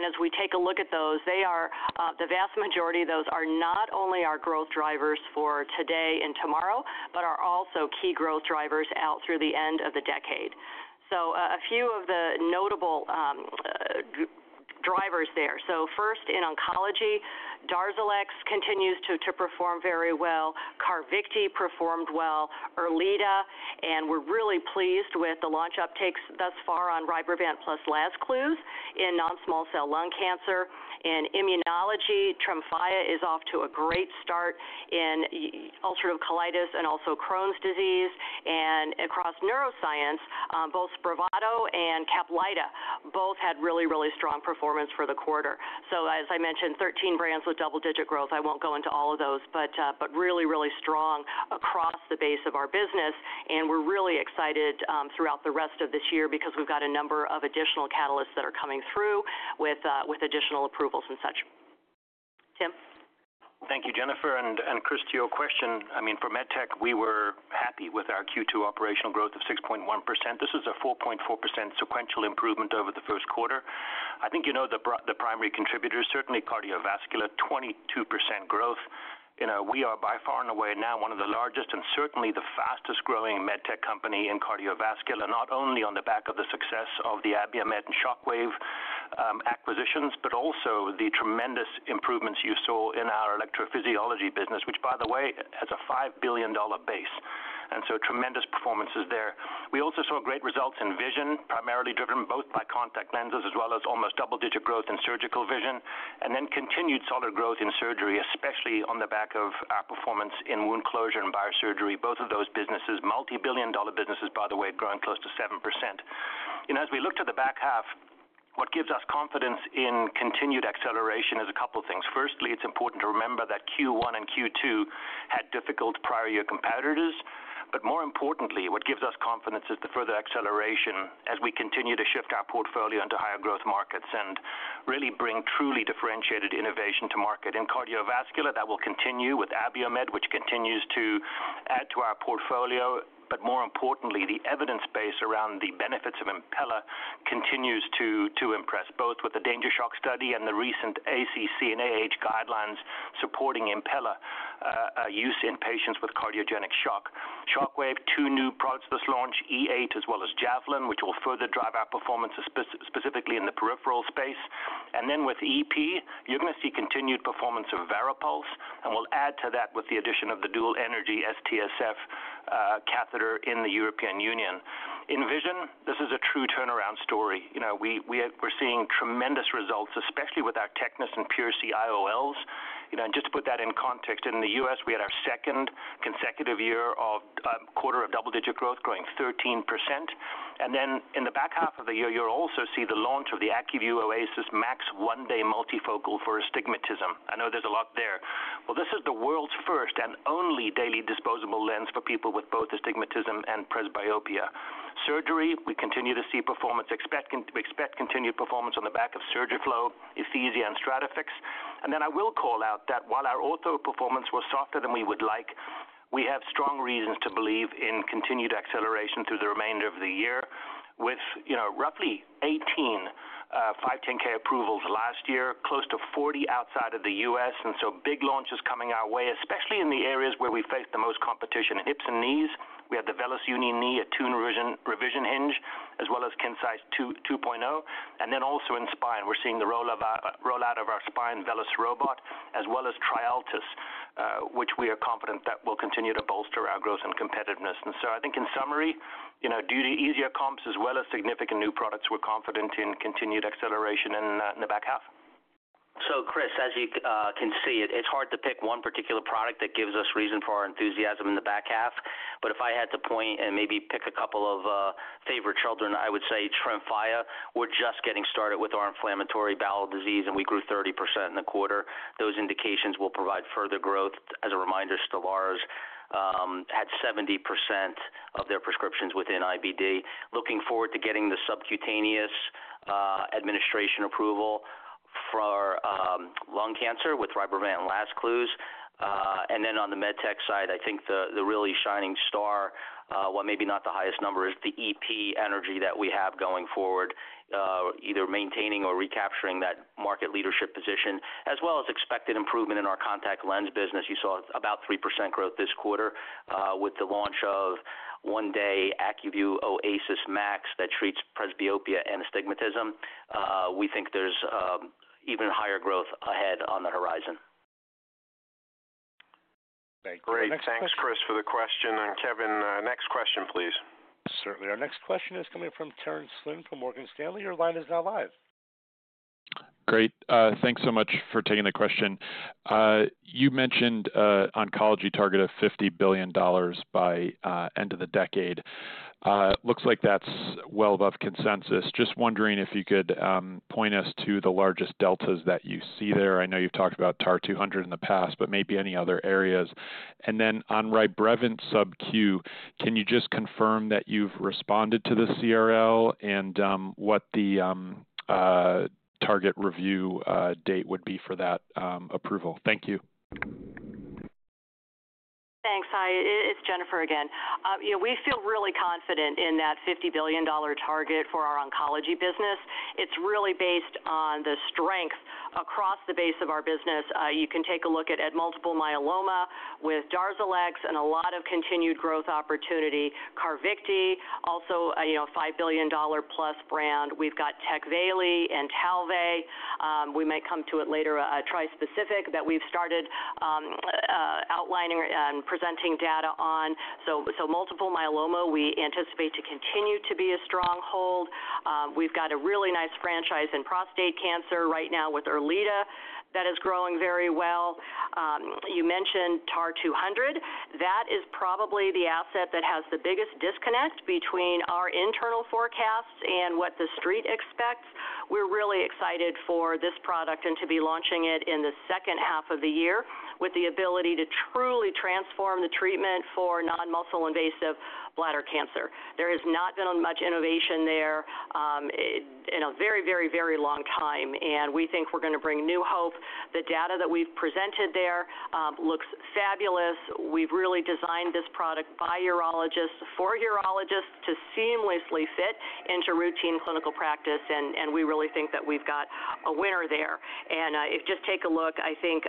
As we take a look at those, the vast majority of those are not only our growth drivers for today and tomorrow, but are also key growth drivers out through the end of the decade. A few of the notable drivers there. First, in oncology, DARZALEX continues to perform very well. CARVYKTI performed well. ERLEADA. We are really pleased with the launch uptakes thus far on RYBREVANT plus LAZCLUZE in non-small cell lung cancer. In immunology, TREMFYA is off to a great start in ulcerative colitis and also Crohn's disease. Across neuroscience, both SPRAVATO and CAPLYTA both had really, really strong performance for the quarter. As I mentioned, 13 brands with double-digit growth. I won't go into all of those, but really, really strong across the base of our business. We are really excited throughout the rest of this year because we've got a number of additional catalysts that are coming through with additional approvals and such. Tim? Thank you, Jennifer. Chris, to your question, I mean, for MedTech, we were happy with our Q2 operational growth of 6.1%. This is a 4.4% sequential improvement over the first quarter. I think you know the primary contributors, certainly cardiovascular, 22% growth. We are by far and away now one of the largest and certainly the fastest-growing MedTech company in cardiovascular, not only on the back of the success of the Abiomed and Shockwave acquisitions, but also the tremendous improvements you saw in our electrophysiology business, which, by the way, has a $5 billion base. Tremendous performances there. We also saw great results in vision, primarily driven both by contact lenses as well as almost double-digit growth in surgical vision, and then continued solid growth in surgery, especially on the back of our performance in wound closure and biosurgery. Both of those businesses, multi-billion dollar businesses, by the way, growing close to 7%. As we look to the back half, what gives us confidence in continued acceleration is a couple of things. Firstly, it's important to remember that Q1 and Q2 had difficult prior-year comparators. More importantly, what gives us confidence is the further acceleration as we continue to shift our portfolio into higher growth markets and really bring truly differentiated innovation to market. In cardiovascular, that will continue with Abiomed, which continues to add to our portfolio. More importantly, the evidence base around the benefits of Impella continues to impress, both with the DanGer Shock study and the recent ACC and AHA guidelines supporting Impella use in patients with cardiogenic shock. Shockwave, two new products this launch, E8 as well as Javelin, which will further drive our performance, specifically in the peripheral space. With EP, you're going to see continued performance of VARIPULSE. We'll add to that with the addition of the Dual Energy STSF Catheter in the European Union. In vision, this is a true turnaround story. We're seeing tremendous results, especially with our TECNIS and PureSee IOLs. Just to put that in context, in the U.S., we had our second consecutive quarter of double-digit growth, growing 13%. In the back half of the year, you'll also see the launch of the ACUVUE OASYS MAX 1-Day Multifocal for Astigmatism. I know there's a lot there. This is the world's first and only daily disposable lens for people with both astigmatism and presbyopia. Surgery, we continue to see performance. We expect continued performance on the back of SURGIFLO, ETHIZIA, and STRATAFIX. I will call out that while our ortho performance was softer than we would like, we have strong reasons to believe in continued acceleration through the remainder of the year with roughly 18 510(k) approvals last year, close to 40 outside of the U.S. Big launches are coming our way, especially in the areas where we face the most competition. Hips and knees, we had the VELYS Union Knee, ATTUNE Revision hinge, as well as KINCISE 2.0. In spine, we are seeing the rollout of our spine VELYS robot, as well as TriALTIS, which we are confident will continue to bolster our growth and competitiveness. I think in summary, due to easier comps as well as significant new products, we are confident in continued acceleration in the back half. Chris, as you can see, it is hard to pick one particular product that gives us reason for our enthusiasm in the back half. If I had to point and maybe pick a couple of favorite children, I would say TREMFYA. We are just getting started with our inflammatory bowel disease, and we grew 30% in the quarter. Those indications will provide further growth. As a reminder, STELARA's had 70% of their prescriptions within IBD. Looking forward to getting the subcutaneous administration approval for lung cancer with RYBREVANT and LAZCLUZE. On the MedTech side, I think the really shining star, while maybe not the highest number, is the EP energy that we have going forward, either maintaining or recapturing that market leadership position, as well as expected improvement in our contact lens business. You saw about 3% growth this quarter with the launch of 1-Day ACUVUE OASYS MAX that treats presbyopia and astigmatism. We think there's even higher growth ahead on the horizon. Great. Thanks, Chris, for the question. Kevin, next question, please. Certainly. Our next question is coming from Terence Flynn from Morgan Stanley. Your line is now live. Great. Thanks so much for taking the question. You mentioned oncology target of $50 billion by end of the decade. Looks like that's well above consensus. Just wondering if you could point us to the largest deltas that you see there. I know you've talked about TAR-200 in the past, but maybe any other areas? On RYBREVANT sub Q, can you just confirm that you've responded to the CRL and what the target review date would be for that approval? Thank you. Thanks, hi. It's Jennifer again. We feel really confident in that $50 billion target for our oncology business. It's really based on the strength across the base of our business. You can take a look at multiple myeloma with DARZALEX and a lot of continued growth opportunity. CARVYKTI, also a $5 billion+ brand. We've got TECVAYLI and TALVEY. We might come to it later, trispecific, that we've started outlining and presenting data on. Multiple myeloma, we anticipate to continue to be a stronghold. We've got a really nice franchise in prostate cancer right now with ERLEADA that is growing very well. You mentioned TAR-200. That is probably the asset that has the biggest disconnect between our internal forecasts and what the street expects. We're really excited for this product and to be launching it in the second half of the year with the ability to truly transform the treatment for non-muscle invasive bladder cancer. There has not been much innovation there in a very, very, very long time. We think we're going to bring new hope. The data that we've presented there looks fabulous. We've really designed this product by urologists, for urologists to seamlessly fit into routine clinical practice. We really think that we've got a winner there. If you just take a look, I think,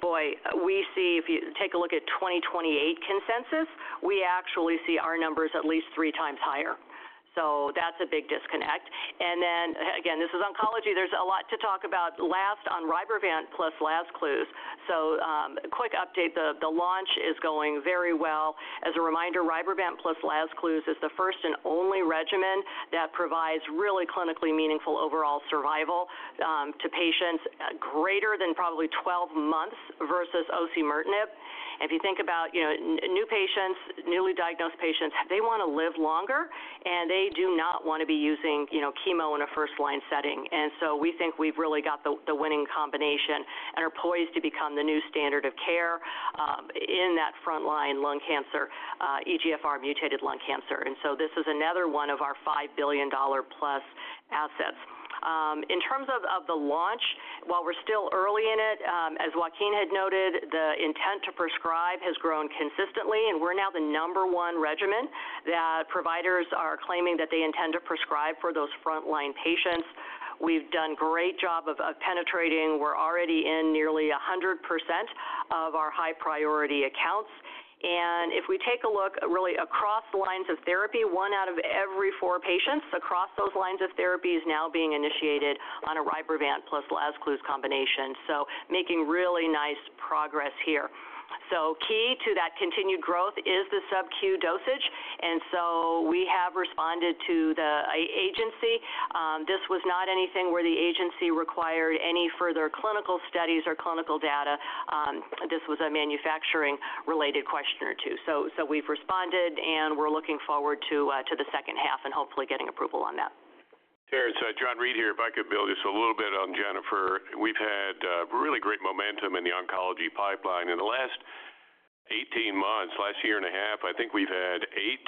boy, we see if you take a look at 2028 consensus, we actually see our numbers at least three times higher. That is a big disconnect. This is oncology. There is a lot to talk about last on RYBREVANT plus LAZCLUZE. Quick update, the launch is going very well. As a reminder, RYBREVANT plus LAZCLUZE is the first and only regimen that provides really clinically meaningful overall survival to patients greater than probably 12 months versus osimertinib. If you think about new patients, newly diagnosed patients, they want to live longer, and they do not want to be using chemo in a first-line setting. We think we've really got the winning combination and are poised to become the new standard of care in that front-line lung cancer, EGFR mutated lung cancer. This is another one of our $5 billion+ assets. In terms of the launch, while we're still early in it, as Joaquin had noted, the intent to prescribe has grown consistently. We're now the number one regimen that providers are claiming that they intend to prescribe for those front-line patients. We've done a great job of penetrating. We're already in nearly 100% of our high-priority accounts. If we take a look really across the lines of therapy, one out of every four patients across those lines of therapy is now being initiated on a RYBREVANT plus LAZCLUZE combination. Making really nice progress here. Key to that continued growth is the sub Q dosage. We have responded to the agency. This was not anything where the agency required any further clinical studies or clinical data. This was a manufacturing-related question or two. We have responded, and we are looking forward to the second half and hopefully getting approval on that. Terence, John Reed here. If I could build just a little bit on Jennifer, we have had really great momentum in the oncology pipeline. In the last 18 months, last year and a half, I think we have had eight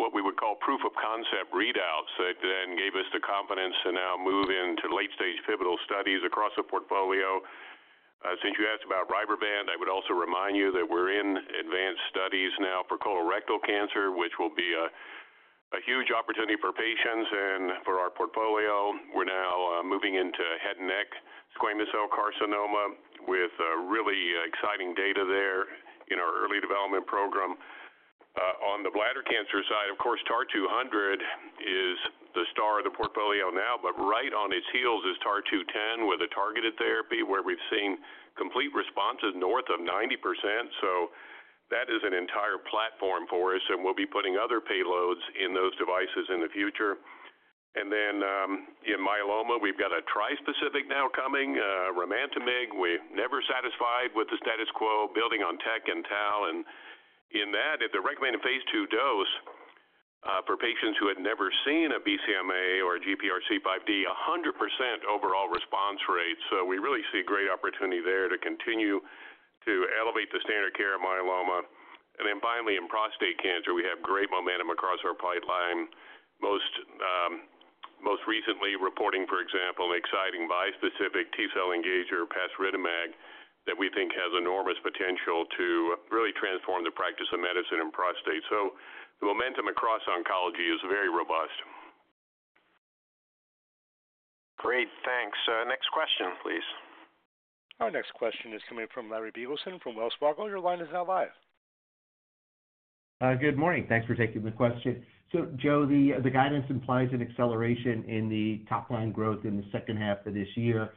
what we would call proof of concept readouts that then gave us the confidence to now move into late-stage pivotal studies across the portfolio. Since you asked about RYBREVANT, I would also remind you that we are in advanced studies now for colorectal cancer, which will be a huge opportunity for patients and for our portfolio. We're now moving into head and neck squamous cell carcinoma with really exciting data there in our early development program. On the bladder cancer side, of course, TAR-200 is the star of the portfolio now, but right on its heels is TAR-210 with a targeted therapy where we've seen complete responses north of 90%. That is an entire platform for us, and we'll be putting other payloads in those devices in the future. In myeloma, we've got a trispecific now coming, Ramantamig. We're never satisfied with the status quo, building on TEC and TAL. In that, if the recommended phase II dose for patients who had never seen a BCMA or a GPRC5D, 100% overall response rate. We really see a great opportunity there to continue to elevate the standard care of myeloma. Finally, in prostate cancer, we have great momentum across our pipeline. Most recently reporting, for example, an exciting bispecific T-cell engager, Pasritamig, that we think has enormous potential to really transform the practice of medicine in prostate. The momentum across oncology is very robust. Great. Thanks. Next question, please. Our next question is coming from Larry Biegelsen from Wells Fargo. Your line is now live. Good morning. Thanks for taking the question. Joe, the guidance implies an acceleration in the top-line growth in the second half of this year.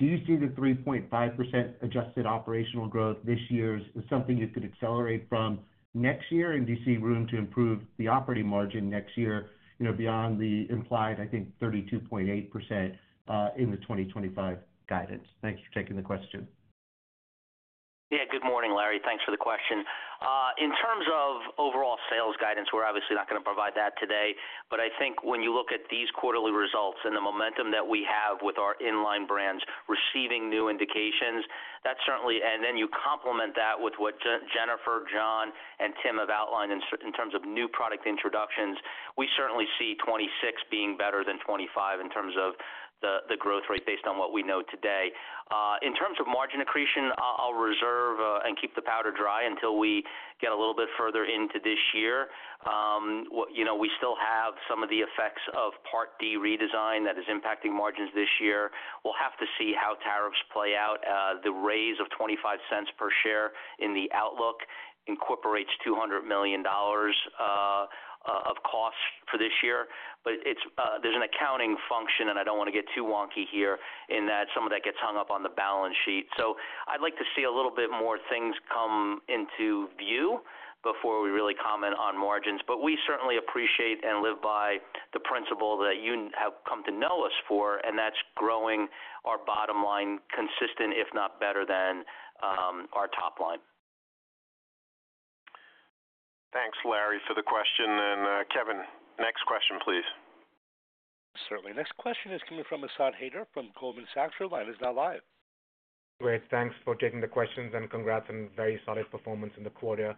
Do you see the 3.5% adjusted operational growth this year as something you could accelerate from next year? Do you see room to improve the operating margin next year beyond the implied, I think, 32.8% in the 2025 guidance? Thanks for taking the question. Yeah. Good morning, Larry. Thanks for the question. In terms of overall sales guidance, we're obviously not going to provide that today. I think when you look at these quarterly results and the momentum that we have with our inline brands receiving new indications, that certainly, and then you complement that with what Jennifer, John, and Tim have outlined in terms of new product introductions. We certainly see 2026 being better than 2025 in terms of the growth rate based on what we know today. In terms of margin accretion, I'll reserve and keep the powder dry until we get a little bit further into this year. We still have some of the effects of Part D redesign that is impacting margins this year. We'll have to see how tariffs play out. The raise of $0.25 per share in the outlook incorporates $200 million of costs for this year. There is an accounting function, and I do not want to get too wonky here, in that some of that gets hung up on the balance sheet. I would like to see a little bit more things come into view before we really comment on margins. We certainly appreciate and live by the principle that you have come to know us for, and that is growing our bottom line consistent, if not better than, our top line. Thanks, Larry, for the question. Kevin, next question, please. Certainly. Next question is coming from Asad Haider from Goldman Sachs. Your line is now live. Great. Thanks for taking the questions and congrats on very solid performance in the quarter.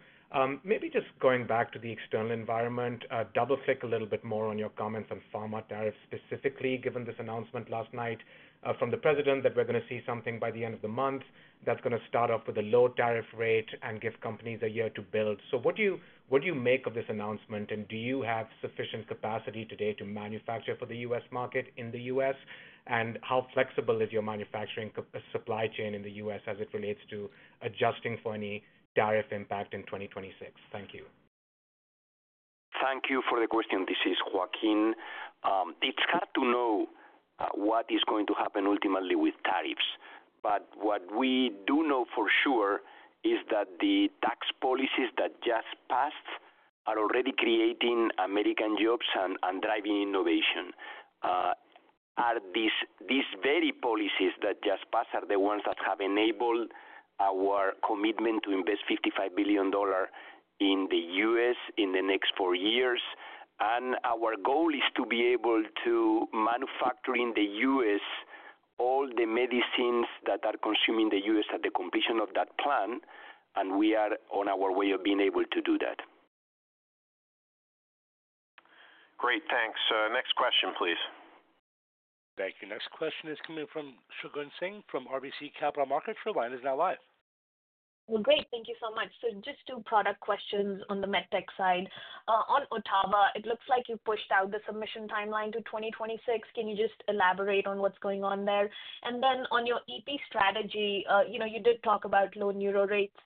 Maybe just going back to the external environment, double-click a little bit more on your comments on pharma tariffs specifically, given this announcement last night from the president that we're going to see something by the end of the month that's going to start off with a low tariff rate and give companies a year to build. What do you make of this announcement? Do you have sufficient capacity today to manufacture for the U.S. market in the U.S.? How flexible is your manufacturing supply chain in the U.S. as it relates to adjusting for any tariff impact in 2026? Thank you. Thank you for the question. This is Joaquin. It's hard to know what is going to happen ultimately with tariffs. What we do know for sure is that the tax policies that just passed are already creating American jobs and driving innovation. These very policies that just passed are the ones that have enabled our commitment to invest $55 billion in the U.S. in the next four years. Our goal is to be able to manufacture in the U.S. all the medicines that are consumed in the U.S. at the completion of that plan. We are on our way of being able to do that. Great. Thanks. Next question, please. Thank you. Next question is coming from Shagun Singh from RBC Capital Markets. Your line is now live. Great. Thank you so much. Just two product questions on the MedTech side. On OTTAVA, it looks like you pushed out the submission timeline to 2026. Can you just elaborate on what's going on there? Then on your EP strategy, you did talk about low neuro rates.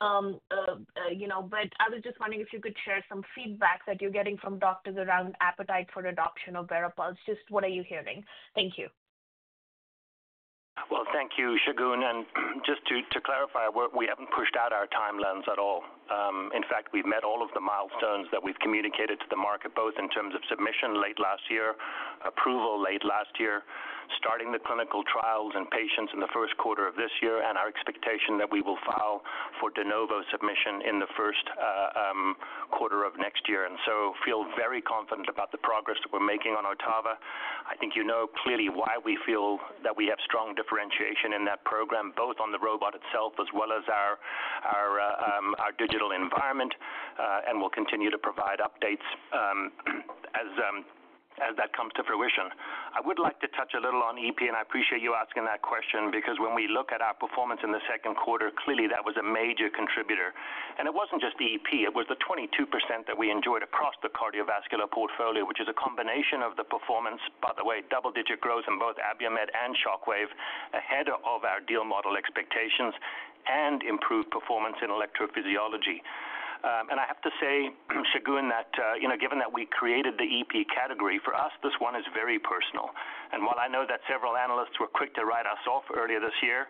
I was just wondering if you could share some feedback that you're getting from doctors around appetite for adoption of VARIPULSE. Just what are you hearing? Thank you. Thank you, Shagun. Just to clarify, we haven't pushed out our timelines at all. In fact, we've met all of the milestones that we've communicated to the market, both in terms of submission late last year, approval late last year, starting the clinical trials and patients in the first quarter of this year, and our expectation that we will file for De Novo submission in the first quarter of next year. I feel very confident about the progress that we're making on OTTAVA. I think you know clearly why we feel that we have strong differentiation in that program, both on the robot itself as well as our digital environment. We will continue to provide updates as that comes to fruition. I would like to touch a little on EP, and I appreciate you asking that question because when we look at our performance in the second quarter, clearly that was a major contributor. It was not just the EP. It was the 22% that we enjoyed across the cardiovascular portfolio, which is a combination of the performance, by the way, double-digit growth in both Abiomed and Shockwave ahead of our deal model expectations and improved performance in electrophysiology. I have to say, Shagun, that given that we created the EP category, for us, this one is very personal. While I know that several analysts were quick to write us off earlier this year,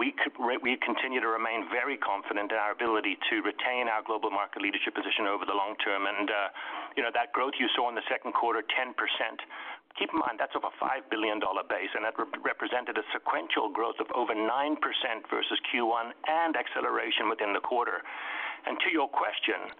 we continue to remain very confident in our ability to retain our global market leadership position over the long term. That growth you saw in the second quarter, 10%, keep in mind that's of a $5 billion base. That represented a sequential growth of over 9% versus Q1 and acceleration within the quarter. To your question,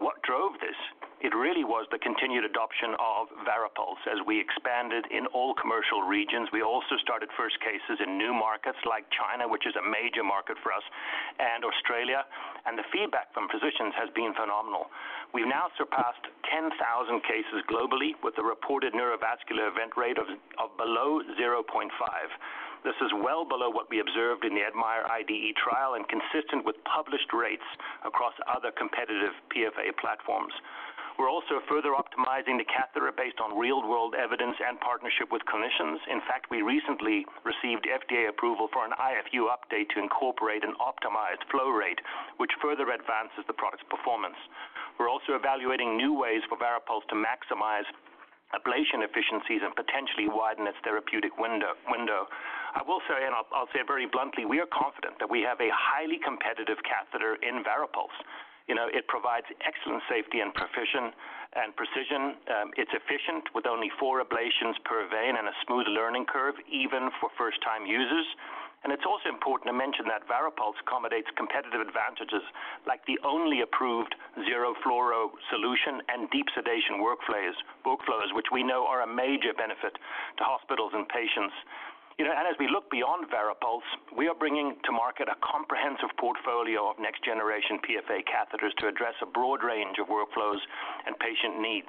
what drove this? It really was the continued adoption of VARIPULSE as we expanded in all commercial regions. We also started first cases in new markets like China, which is a major market for us, and Australia. The feedback from physicians has been phenomenal. We've now surpassed 10,000 cases globally with a reported neurovascular event rate of below 0.5%. This is well below what we observed in the admIRE IDE trial and consistent with published rates across other competitive PFA platforms. We're also further optimizing the catheter based on real-world evidence and partnership with clinicians. In fact, we recently received FDA approval for an IFU update to incorporate an optimized flow rate, which further advances the product's performance. We're also evaluating new ways for VARIPULSE to maximize ablation efficiencies and potentially widen its therapeutic window. I will say, and I'll say it very bluntly, we are confident that we have a highly competitive catheter in VARIPULSE. It provides excellent safety and precision. It's efficient with only four ablations per vein and a smooth learning curve, even for first-time users. It's also important to mention that VARIPULSE accommodates competitive advantages like the only approved zero-fluoro solution and deep sedation workflows, which we know are a major benefit to hospitals and patients. As we look beyond VARIPULSE, we are bringing to market a comprehensive portfolio of next-generation PFA catheters to address a broad range of workflows and patient needs.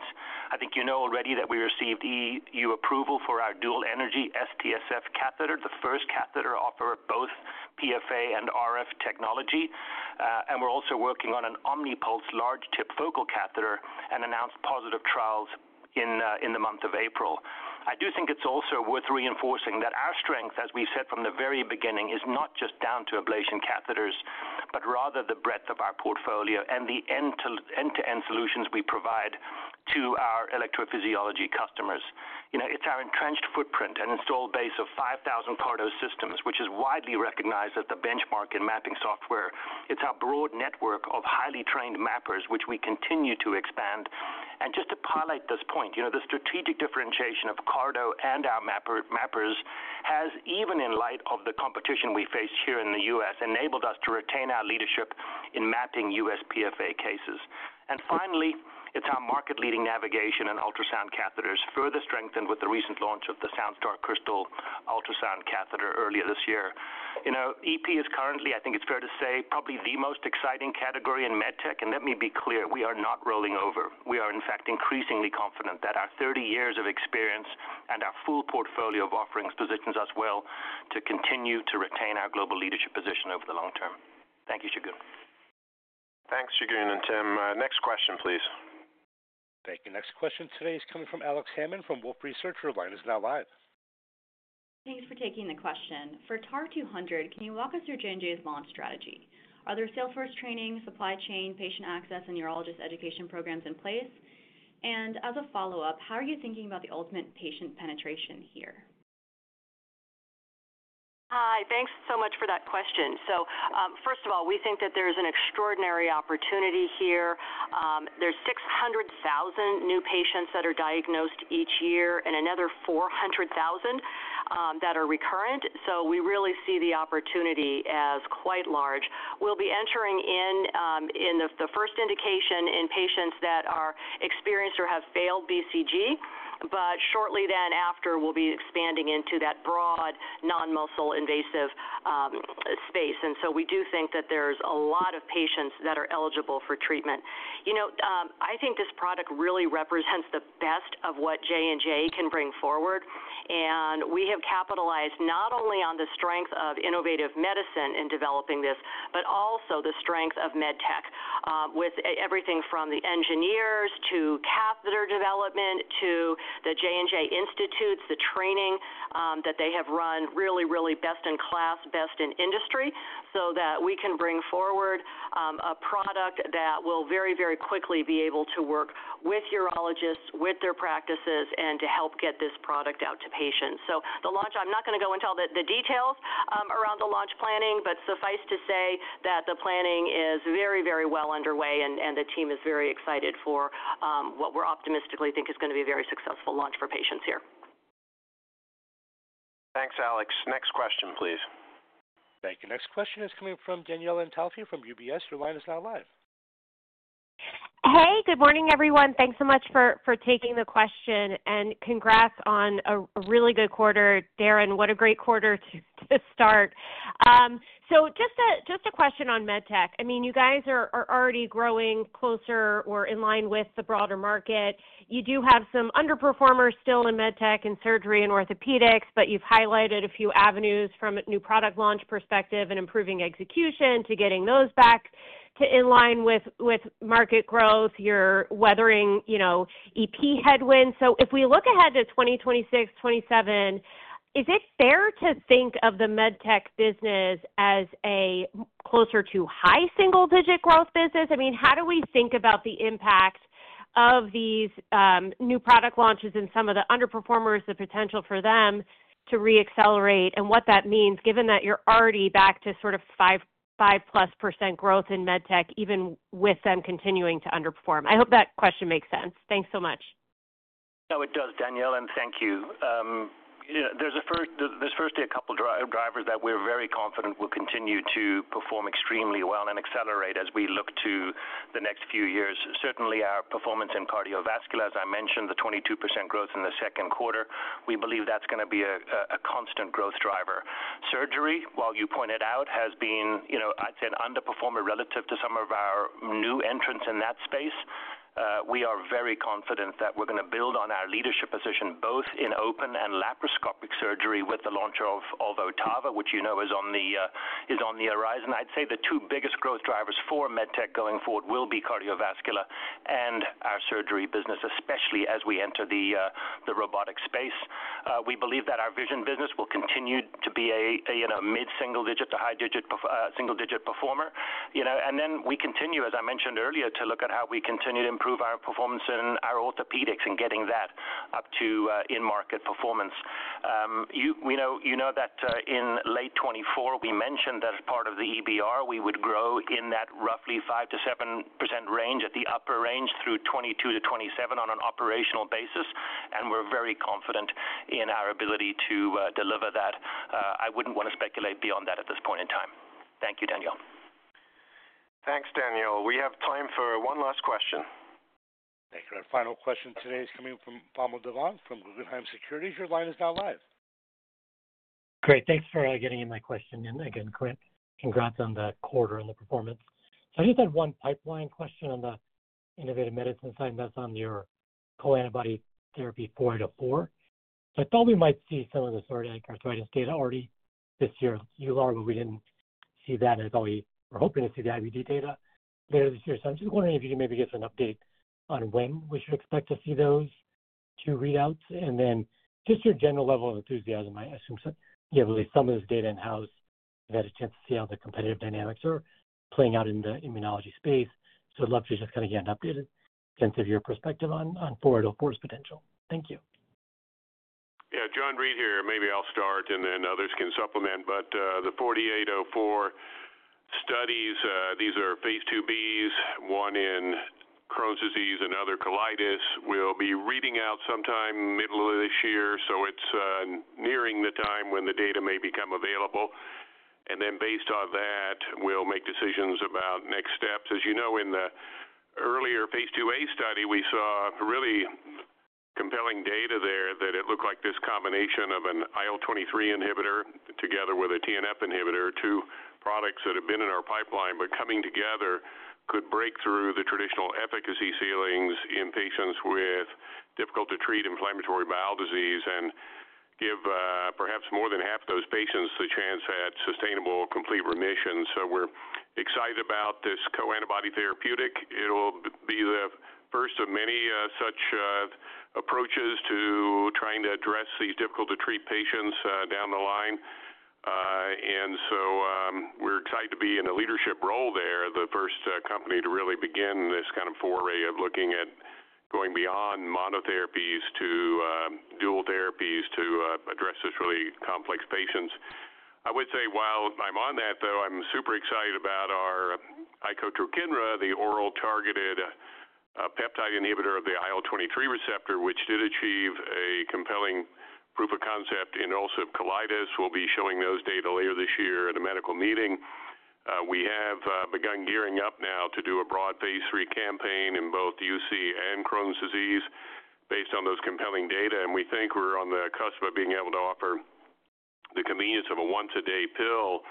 I think you know already that we received EU approval for our Dual Energy STSF Catheter, the first catheter to offer both PFA and RF technology. We are also working on an OMNYPULSE large-tip focal catheter and announced positive trials in the month of April. I do think it is also worth reinforcing that our strength, as we said from the very beginning, is not just down to ablation catheters, but rather the breadth of our portfolio and the end-to-end solutions we provide to our electrophysiology customers. It is our entrenched footprint and installed base of 5,000 CARTO systems, which is widely recognized as the benchmark in mapping software. It is our broad network of highly trained mappers, which we continue to expand. Just to highlight this point, the strategic differentiation of CARTO and our mappers has, even in light of the competition we face here in the U.S., enabled us to retain our leadership in mapping U.S. PFA cases. Finally, it is our market-leading navigation and ultrasound catheters, further strengthened with the recent launch of the SOUNDSTAR CRYSTAL Ultrasound Catheter earlier this year. EP is currently, I think it is fair to say, probably the most exciting category in MedTech. Let me be clear, we are not rolling over. We are, in fact, increasingly confident that our 30 years of experience and our full portfolio of offerings positions us well to continue to retain our global leadership position over the long term. Thank you, Shagun. Thanks, Shagun and Tim. Next question, please. Thank you. Next question today is coming from Alex Hammond from Wolfe Research. Your line is now live. Thanks for taking the question. For TAR-200, can you walk us through J&J's launch strategy? Are there salesforce training, supply chain, patient access, and neurologist education programs in place? As a follow-up, how are you thinking about the ultimate patient penetration here? Hi. Thanks so much for that question. First of all, we think that there is an extraordinary opportunity here. There are 600,000 new patients that are diagnosed each year and another 400,000 that are recurrent. We really see the opportunity as quite large. We'll be entering in the first indication in patients that are experienced or have failed BCG. Shortly thereafter, we'll be expanding into that broad non-muscle invasive space. We do think that there are a lot of patients that are eligible for treatment. I think this product really represents the best of what J&J can bring forward. We have capitalized not only on the strength of innovative medicine in developing this, but also the strength of MedTech, with everything from the engineers to catheter development to the J&J institutes, the training that they have run really, really best in class, best in industry, so that we can bring forward a product that will very, very quickly be able to work with urologists, with their practices, and to help get this product out to patients. I am not going to go into all the details around the launch planning, but suffice to say that the planning is very, very well underway, and the team is very excited for what we optimistically think is going to be a very successful launch for patients here. Thanks, Alex. Next question, please. Thank you. Next question is coming from Danielle Antalffy from UBS. Your line is now live. Hey, good morning, everyone. Thanks so much for taking the question. And congrats on a really good quarter. Darren, what a great quarter to start. Just a question on MedTech. I mean, you guys are already growing closer or in line with the broader market. You do have some underperformers still in MedTech and surgery and orthopedics, but you've highlighted a few avenues from a new product launch perspective and improving execution to getting those back to in line with market growth. You're weathering EP headwinds. If we look ahead to 2026, 2027, is it fair to think of the MedTech business as closer to high single-digit growth business? I mean, how do we think about the impact of these new product launches and some of the underperformers, the potential for them to re-accelerate and what that means, given that you're already back to sort of 5%+ growth in MedTech, even with them continuing to underperform? I hope that question makes sense. Thanks so much. No, it does, Danielle, and thank you. There's firstly a couple of drivers that we're very confident will continue to perform extremely well and accelerate as we look to the next few years. Certainly, our performance in cardiovascular, as I mentioned, the 22% growth in the second quarter, we believe that's going to be a constant growth driver. Surgery, while you point it out, has been, I'd say, an underperformer relative to some of our new entrants in that space. We are very confident that we're going to build on our leadership position, both in open and laparoscopic surgery with the launch of OTTAVA, which you know is on the horizon. I'd say the two biggest growth drivers for MedTech going forward will be cardiovascular and our surgery business, especially as we enter the robotic space. We believe that our vision business will continue to be a mid-single-digit to high-single-digit performer. You know that in late 2024, we mentioned that as part of the EBR, we would grow in that roughly 5%-7% range at the upper range through 2022 to 2027 on an operational basis. We are very confident in our ability to deliver that. I wouldn't want to speculate beyond that at this point in time. Thank you, Danielle. Thanks, Danielle. We have time for one last question. Thank you. Our final question today is coming from Vamil Divan from Guggenheim Securities. Your line is now live. Great. Thanks for getting in my question in. Again, congrats on the quarter and the performance. I just had one pipeline question on the Innovative Medicine side. That's on your co-antibody therapy 4804. I thought we might see some of the psoriatic arthritis data already this year. You are, but we didn't see that, and I thought we were hoping to see the IBD data later this year. I'm just wondering if you could maybe give us an update on when we should expect to see those two readouts? Just your general level of enthusiasm, I assume you have at least some of this data in-house. You've had a chance to see how the competitive dynamics are playing out in the immunology space. I'd love to just kind of get an updated sense of your perspective on 4804's potential. Thank you. Yeah, John Reed here. Maybe I'll start, and then others can supplement. The 4804 studies, these are phase 2bs, one in Crohn's disease and other colitis. We'll be reading out sometime middle of this year. It's nearing the time when the data may become available. Based on that, we'll make decisions about next steps. As you know, in the earlier phase 2a study, we saw really compelling data there that it looked like this combination of an IL-23 inhibitor together with a TNF inhibitor, two products that have been in our pipeline, but coming together could break through the traditional efficacy ceilings in patients with difficult-to-treat inflammatory bowel disease and give perhaps more than half those patients the chance at sustainable complete remission. We are excited about this co-antibody therapeutic. It will be the first of many such approaches to trying to address these difficult-to-treat patients down the line. We are excited to be in a leadership role there, the first company to really begin this kind of foray of looking at going beyond monotherapies to dual therapies to address these really complex patients. I would say, while I'm on that, though, I'm super excited about our icotrokinra, the oral targeted peptide inhibitor of the IL-23 receptor, which did achieve a compelling proof of concept in ulcerative colitis. We'll be showing those data later this year at a medical meeting. We have begun gearing up now to do a broad phase III campaign in both UC and Crohn's disease based on those compelling data. We think we're on the cusp of being able to offer the convenience of a once-a-day pill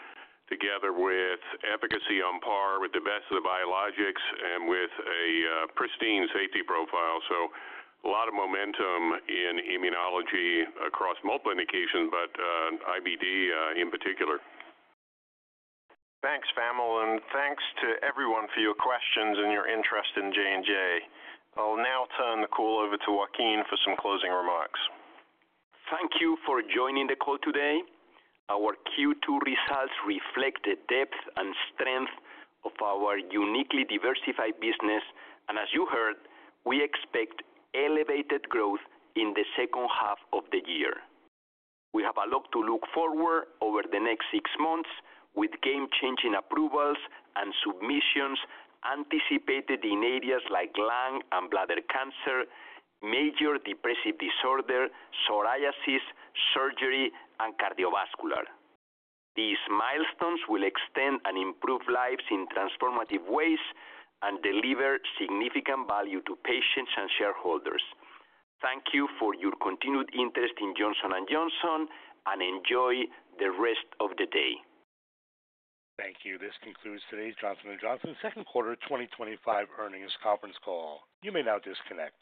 together with efficacy on par with the best of the biologics and with a pristine safety profile. A lot of momentum in immunology across multiple indications, but IBD in particular. Thanks, Vamil, and thanks to everyone for your questions and your interest in J&J. I'll now turn the call over to Joaquin for some closing remarks. Thank you for joining the call today. Our Q2 results reflect the depth and strength of our uniquely diversified business. As you heard, we expect elevated growth in the second half of the year. We have a lot to look forward to over the next six months with game-changing approvals and submissions anticipated in areas like lung and bladder cancer, major depressive disorder, psoriasis, surgery, and cardiovascular. These milestones will extend and improve lives in transformative ways and deliver significant value to patients and shareholders. Thank you for your continued interest in Johnson & Johnson and enjoy the rest of the day. Thank you. This concludes today's Johnson & Johnson Second Quarter 2025 Earnings Conference Call. You may now disconnect.